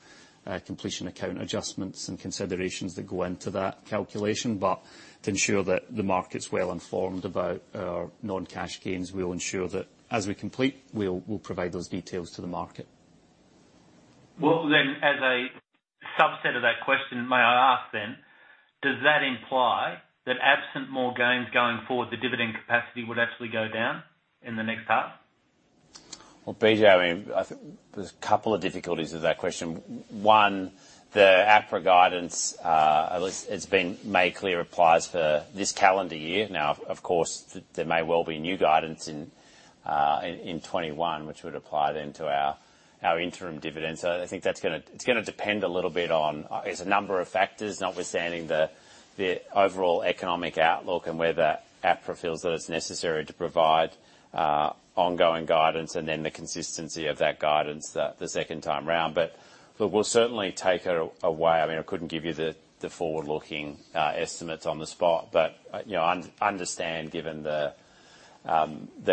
[SPEAKER 3] completion account adjustments and considerations that go into that calculation. But to ensure that the market's well informed about our non-cash gains, we'll ensure that as we complete, we'll provide those details to the market.
[SPEAKER 7] Then as a subset of that question, may I ask then, does that imply that absent more gains going forward, the dividend capacity would actually go down in the next half?
[SPEAKER 2] BJ, I mean, there's a couple of difficulties with that question. One, the APRA guidance, at least it's been made clear, applies for this calendar year. Now, of course, there may well be new guidance in 2021, which would apply then to our interim dividends. I think that's going to depend a little bit on a number of factors, notwithstanding the overall economic outlook and whether APRA feels that it's necessary to provide ongoing guidance and then the consistency of that guidance the second time around. But we'll certainly take it away. I mean, I couldn't give you the forward-looking estimates on the spot, but understand, given the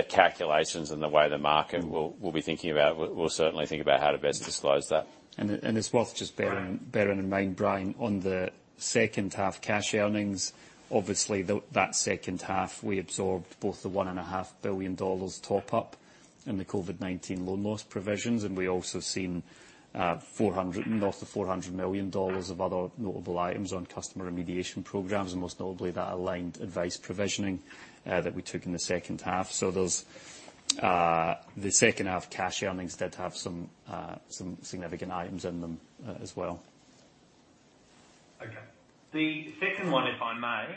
[SPEAKER 2] calculations and the way the market will be thinking about it, we'll certainly think about how to best disclose that.
[SPEAKER 3] And it's worth just bearing in mind, Brian, on the second half cash earnings. Obviously, that second half, we absorbed both the 1.5 billion dollars top-up and the COVID-19 loan loss provisions. And we also seen north of 400 million dollars of other notable items on customer remediation programs, and most notably that aligned advice provisioning that we took in the second half. So the second half cash earnings did have some significant items in them as well.
[SPEAKER 7] Okay. The second one, if I may,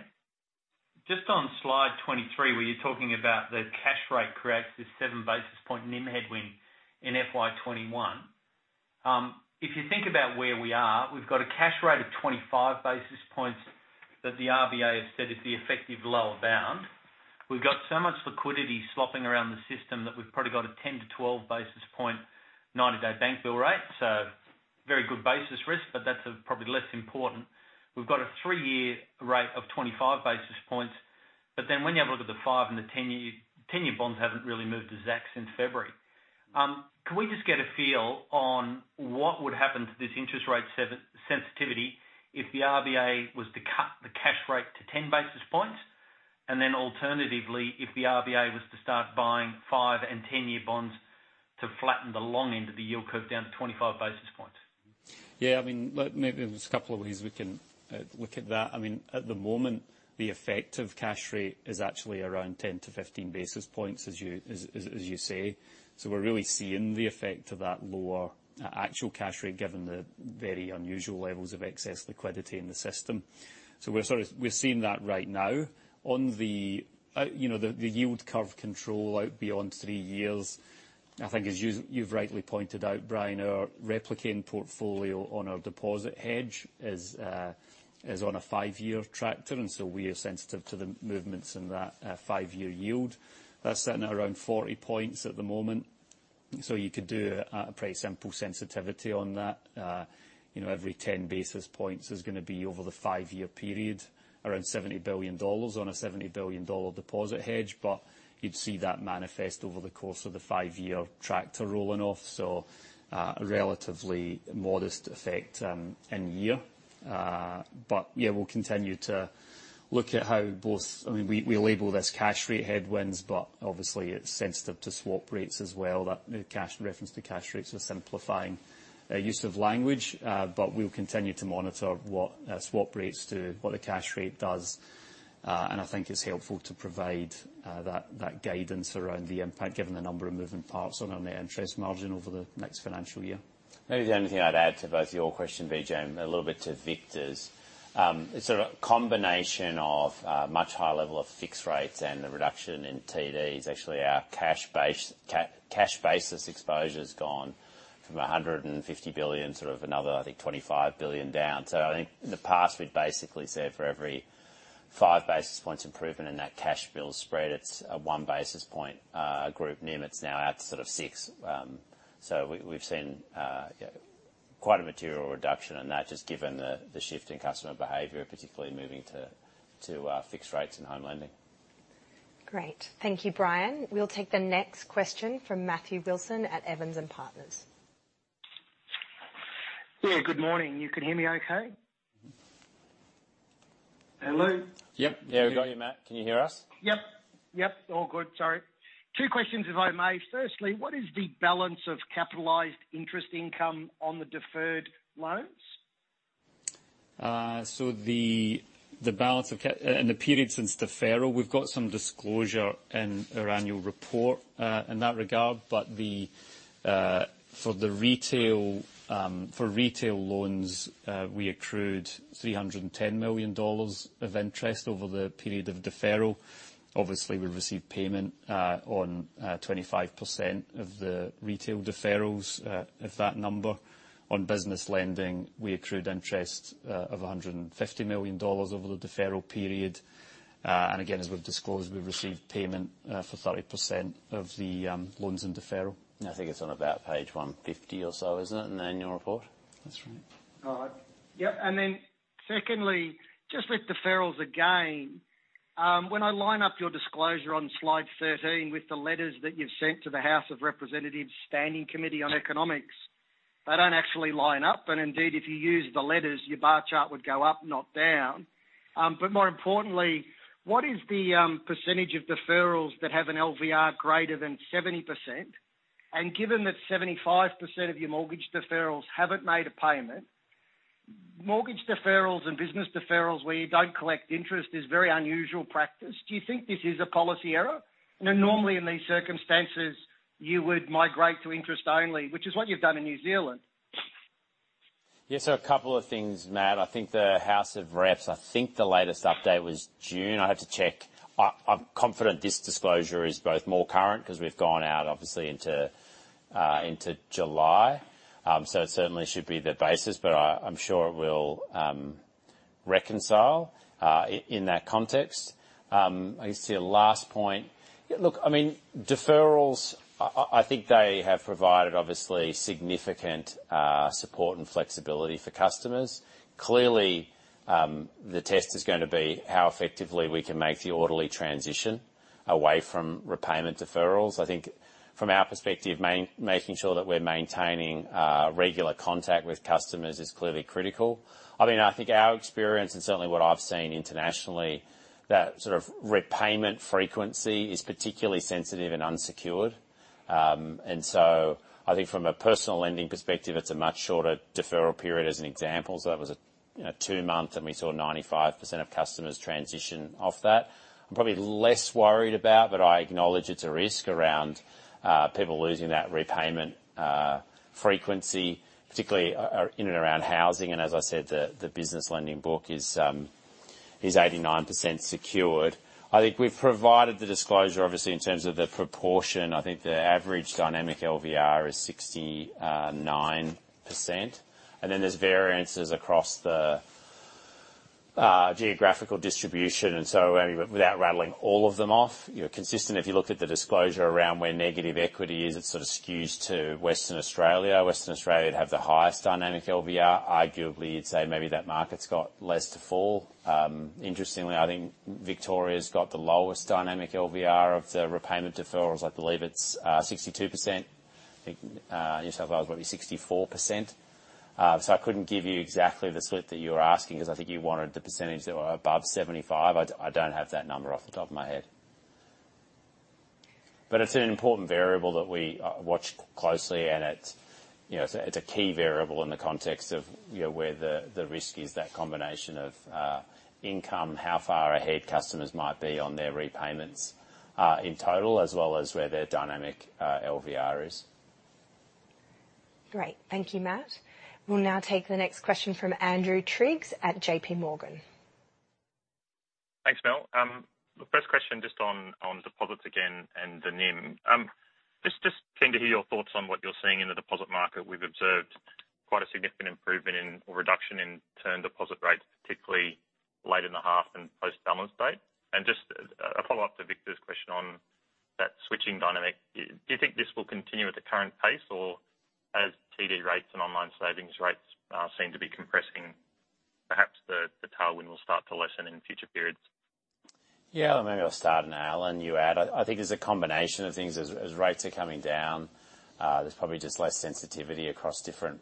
[SPEAKER 7] just on slide 23, where you're talking about the cash rate corrects this seven basis point NIM headwind in FY21. If you think about where we are, we've got a cash rate of 25 basis points that the RBA has said is the effective lower bound. We've got so much liquidity slopping around the system that we've probably got a 10-12 basis point 90-day bank bill rate. So very good basis risk, but that's probably less important. We've got a three-year rate of 25 basis points. But then when you have a look at the five and the ten-year bonds haven't really moved a zack since February. Can we just get a feel on what would happen to this interest rate sensitivity if the RBA was to cut the cash rate to 10 basis points? And then alternatively, if the RBA was to start buying five and ten-year bonds to flatten the long end of the yield curve down to 25 basis points?
[SPEAKER 3] Yeah. I mean, maybe there's a couple of ways we can look at that. I mean, at the moment, the effective cash rate is actually around 10-15 basis points, as you say. So we're really seeing the effect of that lower actual cash rate given the very unusual levels of excess liquidity in the system. So we're seeing that right now. On the yield curve control out beyond three years, I think, as you've rightly pointed out, Brian, our replicating portfolio on our deposit hedge is on a five-year tenor. And so we are sensitive to the movements in that five-year yield. That's sitting at around 40 points at the moment. So you could do a pretty simple sensitivity on that. Every 10 basis points is going to be over the five-year period, around 70 billion dollars on a 70 billion dollar deposit hedge. But you'd see that manifest over the course of the five-year tracker rolling off. So a relatively modest effect in year. But yeah, we'll continue to look at how both. I mean, we label this cash rate headwinds, but obviously, it's sensitive to swap rates as well. The reference to cash rates was simplifying use of language, but we'll continue to monitor what swap rates do, what the cash rate does. And I think it's helpful to provide that guidance around the impact, given the number of moving parts on our net interest margin over the next financial year.
[SPEAKER 2] Maybe the only thing I'd add to both your question, BJ, and a little bit to Victor's. It's sort of a combination of much higher level of fixed rates and the reduction in TDs. Actually, our cash basis exposure has gone from 150 billion to another, I think, 25 billion down. So I think in the past, we'd basically said for every five basis points improvement in that cash bill spread, it's a one basis point group NIM. It's now out to sort of six. So we've seen quite a material reduction in that, just given the shift in customer behavior, particularly moving to fixed rates and home lending.
[SPEAKER 1] Great. Thank you, Brian. We'll take the next question from Matthew Wilson at Evans & Partners.
[SPEAKER 8] Yeah. Good morning. You can hear me okay? Hello.
[SPEAKER 3] Yep. Yeah. We got you, Matt. Can you hear us?
[SPEAKER 8] Yep. Yep. All good. Sorry. Two questions, if I may. Firstly, what is the balance of capitalized interest income on the deferred loans?
[SPEAKER 3] The balance of the period since deferral, we've got some disclosure in our annual report in that regard. For the retail loans, we accrued 310 million dollars of interest over the period of deferral. Obviously, we received payment on 25% of the retail deferrals of that number. On business lending, we accrued interest of 150 million dollars over the deferral period. Again, as we've disclosed, we've received payment for 30% of the loans in deferral.
[SPEAKER 2] I think it's on about page 150 or so, isn't it, in the annual report?
[SPEAKER 3] That's right.
[SPEAKER 8] Yep. And then secondly, just with deferrals again, when I line up your disclosure on slide 13 with the letters that you've sent to the House of Representatives Standing Committee on Economics, they don't actually line up. And indeed, if you use the letters, your bar chart would go up, not down. But more importantly, what is the percentage of deferrals that have an LVR greater than 70%? And given that 75% of your mortgage deferrals haven't made a payment, mortgage deferrals and business deferrals where you don't collect interest is very unusual practice. Do you think this is a policy error? And normally in these circumstances, you would migrate to interest only, which is what you've done in New Zealand.
[SPEAKER 2] Yeah. So a couple of things, Matt. I think the House of Reps, I think the latest update was June. I have to check. I'm confident this disclosure is both more current because we've gone out, obviously, into July. So it certainly should be the basis, but I'm sure it will reconcile in that context. I guess to your last point, look, I mean, deferrals, I think they have provided, obviously, significant support and flexibility for customers. Clearly, the test is going to be how effectively we can make the orderly transition away from repayment deferrals. I think from our perspective, making sure that we're maintaining regular contact with customers is clearly critical. I mean, I think our experience and certainly what I've seen internationally, that sort of repayment frequency is particularly sensitive and unsecured. I think from a personal lending perspective, it's a much shorter deferral period as an example. So that was a two-month, and we saw 95% of customers transition off that. I'm probably less worried about, but I acknowledge it's a risk around people losing that repayment frequency, particularly in and around housing. As I said, the business lending book is 89% secured. I think we've provided the disclosure, obviously, in terms of the proportion. I think the average dynamic LVR is 69%. Then there's variances across the geographical distribution. Without rattling all of them off, you're consistent. If you look at the disclosure around where negative equity is, it's sort of skewed to Western Australia. Western Australia would have the highest dynamic LVR. Arguably, you'd say maybe that market's got less to fall. Interestingly, I think Victoria's got the lowest dynamic LVR of the repayment deferrals. I believe it's 62%. I think New South Wales might be 64%. So I couldn't give you exactly the split that you were asking because I think you wanted the percentage that were above 75%. I don't have that number off the top of my head. But it's an important variable that we watch closely, and it's a key variable in the context of where the risk is, that combination of income, how far ahead customers might be on their repayments in total, as well as where their dynamic LVR is.
[SPEAKER 1] Great. Thank you, Matt. We'll now take the next question from Andrew Triggs at JP Morgan.
[SPEAKER 9] Thanks, Bill. First question just on deposits again and the NIM. Just keen to hear your thoughts on what you're seeing in the deposit market. We've observed quite a significant improvement or reduction in term deposit rates, particularly late in the half and post-balance date. And just a follow-up to Victor's question on that switching dynamic. Do you think this will continue at the current pace, or as TD rates and online savings rates seem to be compressing, perhaps the tailwind will start to lessen in future periods?
[SPEAKER 2] Yeah. Maybe I'll start now, and you add. I think there's a combination of things. As rates are coming down, there's probably just less sensitivity across different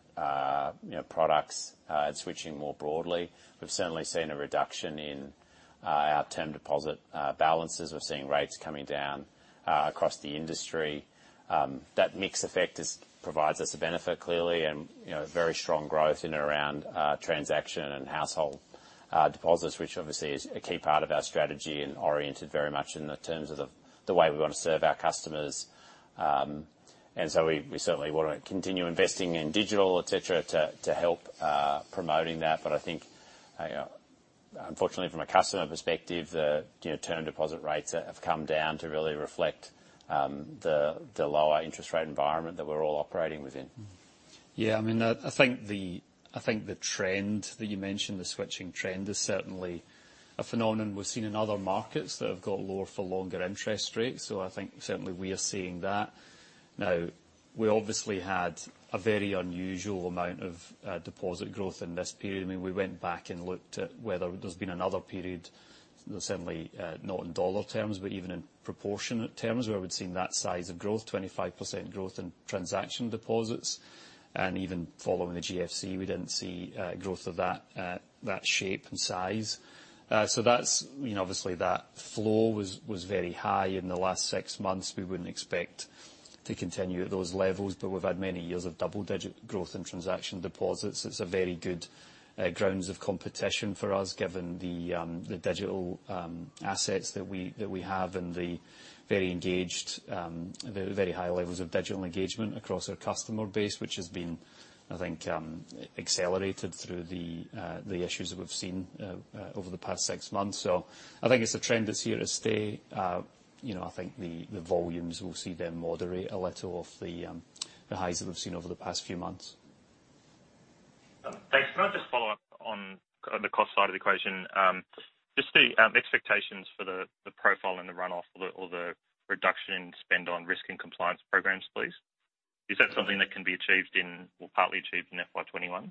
[SPEAKER 2] products and switching more broadly. We've certainly seen a reduction in our term deposit balances. We're seeing rates coming down across the industry. That mixed effect provides us a benefit, clearly, and very strong growth in and around transaction and household deposits, which obviously is a key part of our strategy and oriented very much in the terms of the way we want to serve our customers. And so we certainly want to continue investing in digital, etc., to help promoting that. But I think, unfortunately, from a customer perspective, the term deposit rates have come down to really reflect the lower interest rate environment that we're all operating within.
[SPEAKER 3] Yeah. I mean, I think the trend that you mentioned, the switching trend, is certainly a phenomenon we've seen in other markets that have got lower for longer interest rates. So I think certainly we are seeing that. Now, we obviously had a very unusual amount of deposit growth in this period. I mean, we went back and looked at whether there's been another period, certainly not in dollar terms, but even in proportionate terms, where we'd seen that size of growth, 25% growth in transaction deposits. And even following the GFC, we didn't see growth of that shape and size. So obviously, that flow was very high in the last six months. We wouldn't expect to continue at those levels, but we've had many years of double-digit growth in transaction deposits. It's a very good grounds of competition for us, given the digital assets that we have and the very engaged, very high levels of digital engagement across our customer base, which has been, I think, accelerated through the issues that we've seen over the past six months. So I think it's a trend that's here to stay. I think the volumes will see them moderate a little off the highs that we've seen over the past few months.
[SPEAKER 9] Thanks. Can I just follow up on the cost side of the equation? Just the expectations for the profile and the runoff or the reduction in spend on risk and compliance programs, please. Is that something that can be achieved in or partly achieved in FY21?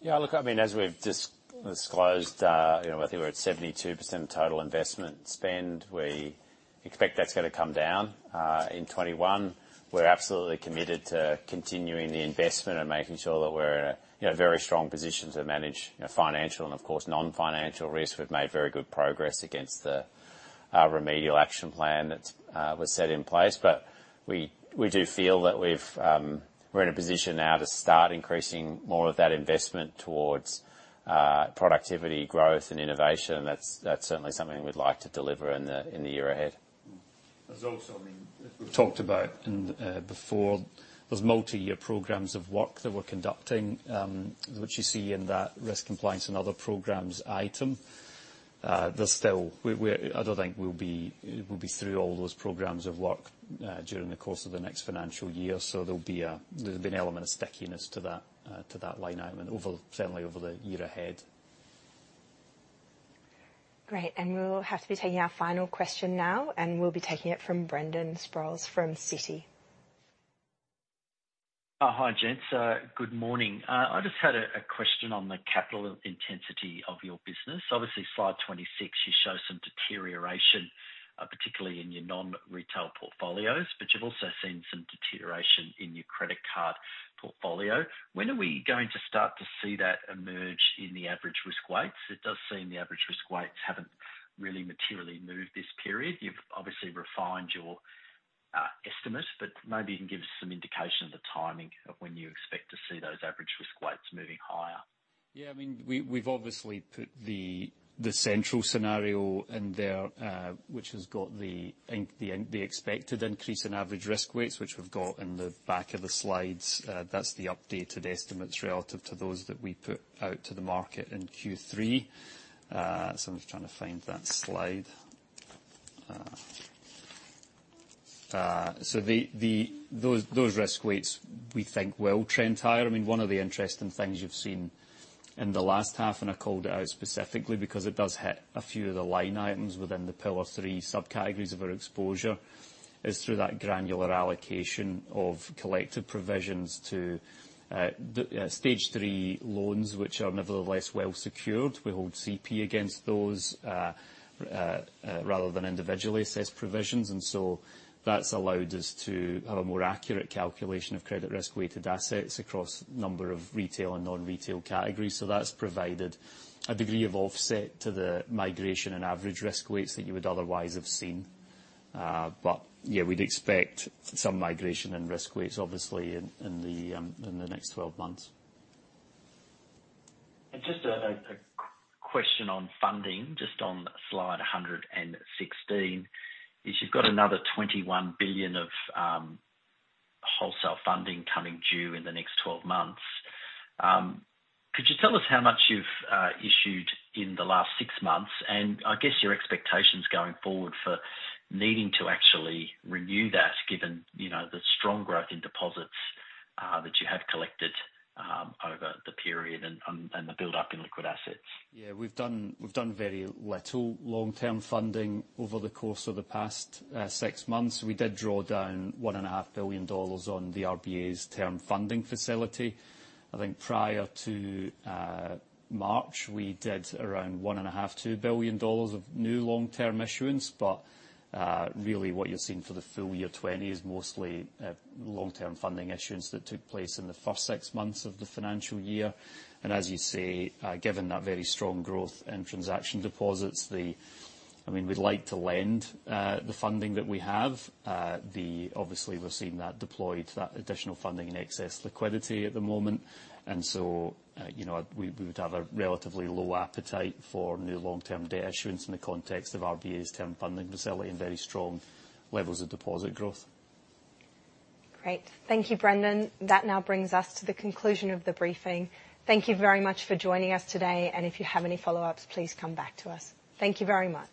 [SPEAKER 2] Yeah. Look, I mean, as we've disclosed, I think we're at 72% of total investment spend. We expect that's going to come down in 2021. We're absolutely committed to continuing the investment and making sure that we're in a very strong position to manage financial and, of course, non-financial risk. We've made very good progress against the Remedial Action Plan that was set in place. But we do feel that we're in a position now to start increasing more of that investment towards productivity, growth, and innovation. That's certainly something we'd like to deliver in the year ahead.
[SPEAKER 3] There's also, I mean, we've talked about before, those multi-year programs of work that we're conducting, which you see in that risk compliance and other programs item. I don't think we'll be through all those programs of work during the course of the next financial year. So there'll be an element of stickiness to that line item certainly over the year ahead.
[SPEAKER 1] Great. And we'll have to be taking our final question now, and we'll be taking it from Brendan Sproules from Citi.
[SPEAKER 10] Hi, Gent. Good morning. I just had a question on the capital intensity of your business. Obviously, slide 26, you show some deterioration, particularly in your non-retail portfolios, but you've also seen some deterioration in your credit card portfolio. When are we going to start to see that emerge in the average risk weights? It does seem the average risk weights haven't really materially moved this period. You've obviously refined your estimates, but maybe you can give us some indication of the timing of when you expect to see those average risk weights moving higher.
[SPEAKER 3] Yeah. I mean, we've obviously put the central scenario in there, which has got the expected increase in average risk weights, which we've got in the back of the slides. That's the updated estimates relative to those that we put out to the market in Q3. So I'm just trying to find that slide. So those risk weights, we think, will trend higher. I mean, one of the interesting things you've seen in the last half, and I called it out specifically because it does hit a few of the line items within the pillar three subcategories of our exposure, is through that granular allocation of collective provisions to Stage 3 loans, which are nevertheless well secured. We hold CP against those rather than individually assessed provisions. And so that's allowed us to have a more accurate calculation of credit risk-weighted assets across a number of retail and non-retail categories. So that's provided a degree of offset to the migration and average risk weights that you would otherwise have seen. But yeah, we'd expect some migration in risk weights, obviously, in the next 12 months.
[SPEAKER 10] Just a question on funding, just on slide 116, as you've got another 21 billion of wholesale funding coming due in the next 12 months. Could you tell us how much you've issued in the last six months? And I guess your expectations going forward for needing to actually renew that, given the strong growth in deposits that you have collected over the period and the build-up in liquid assets?
[SPEAKER 3] Yeah. We've done very little long-term funding over the course of the past six months. We did draw down 1.5 billion dollars on the RBA's Term Funding Facility. I think prior to March, we did around 1.5-2 billion dollars of new long-term issuance. But really, what you've seen for the full year 2020 is mostly long-term funding issuance that took place in the first six months of the financial year. And as you see, given that very strong growth in transaction deposits, I mean, we'd like to lend the funding that we have. Obviously, we've seen that deployed to that additional funding in excess liquidity at the moment. And so we would have a relatively low appetite for new long-term debt issuance in the context of RBA's Term Funding Facility and very strong levels of deposit growth.
[SPEAKER 1] Great. Thank you, Brendan. That now brings us to the conclusion of the briefing. Thank you very much for joining us today. And if you have any follow-ups, please come back to us. Thank you very much.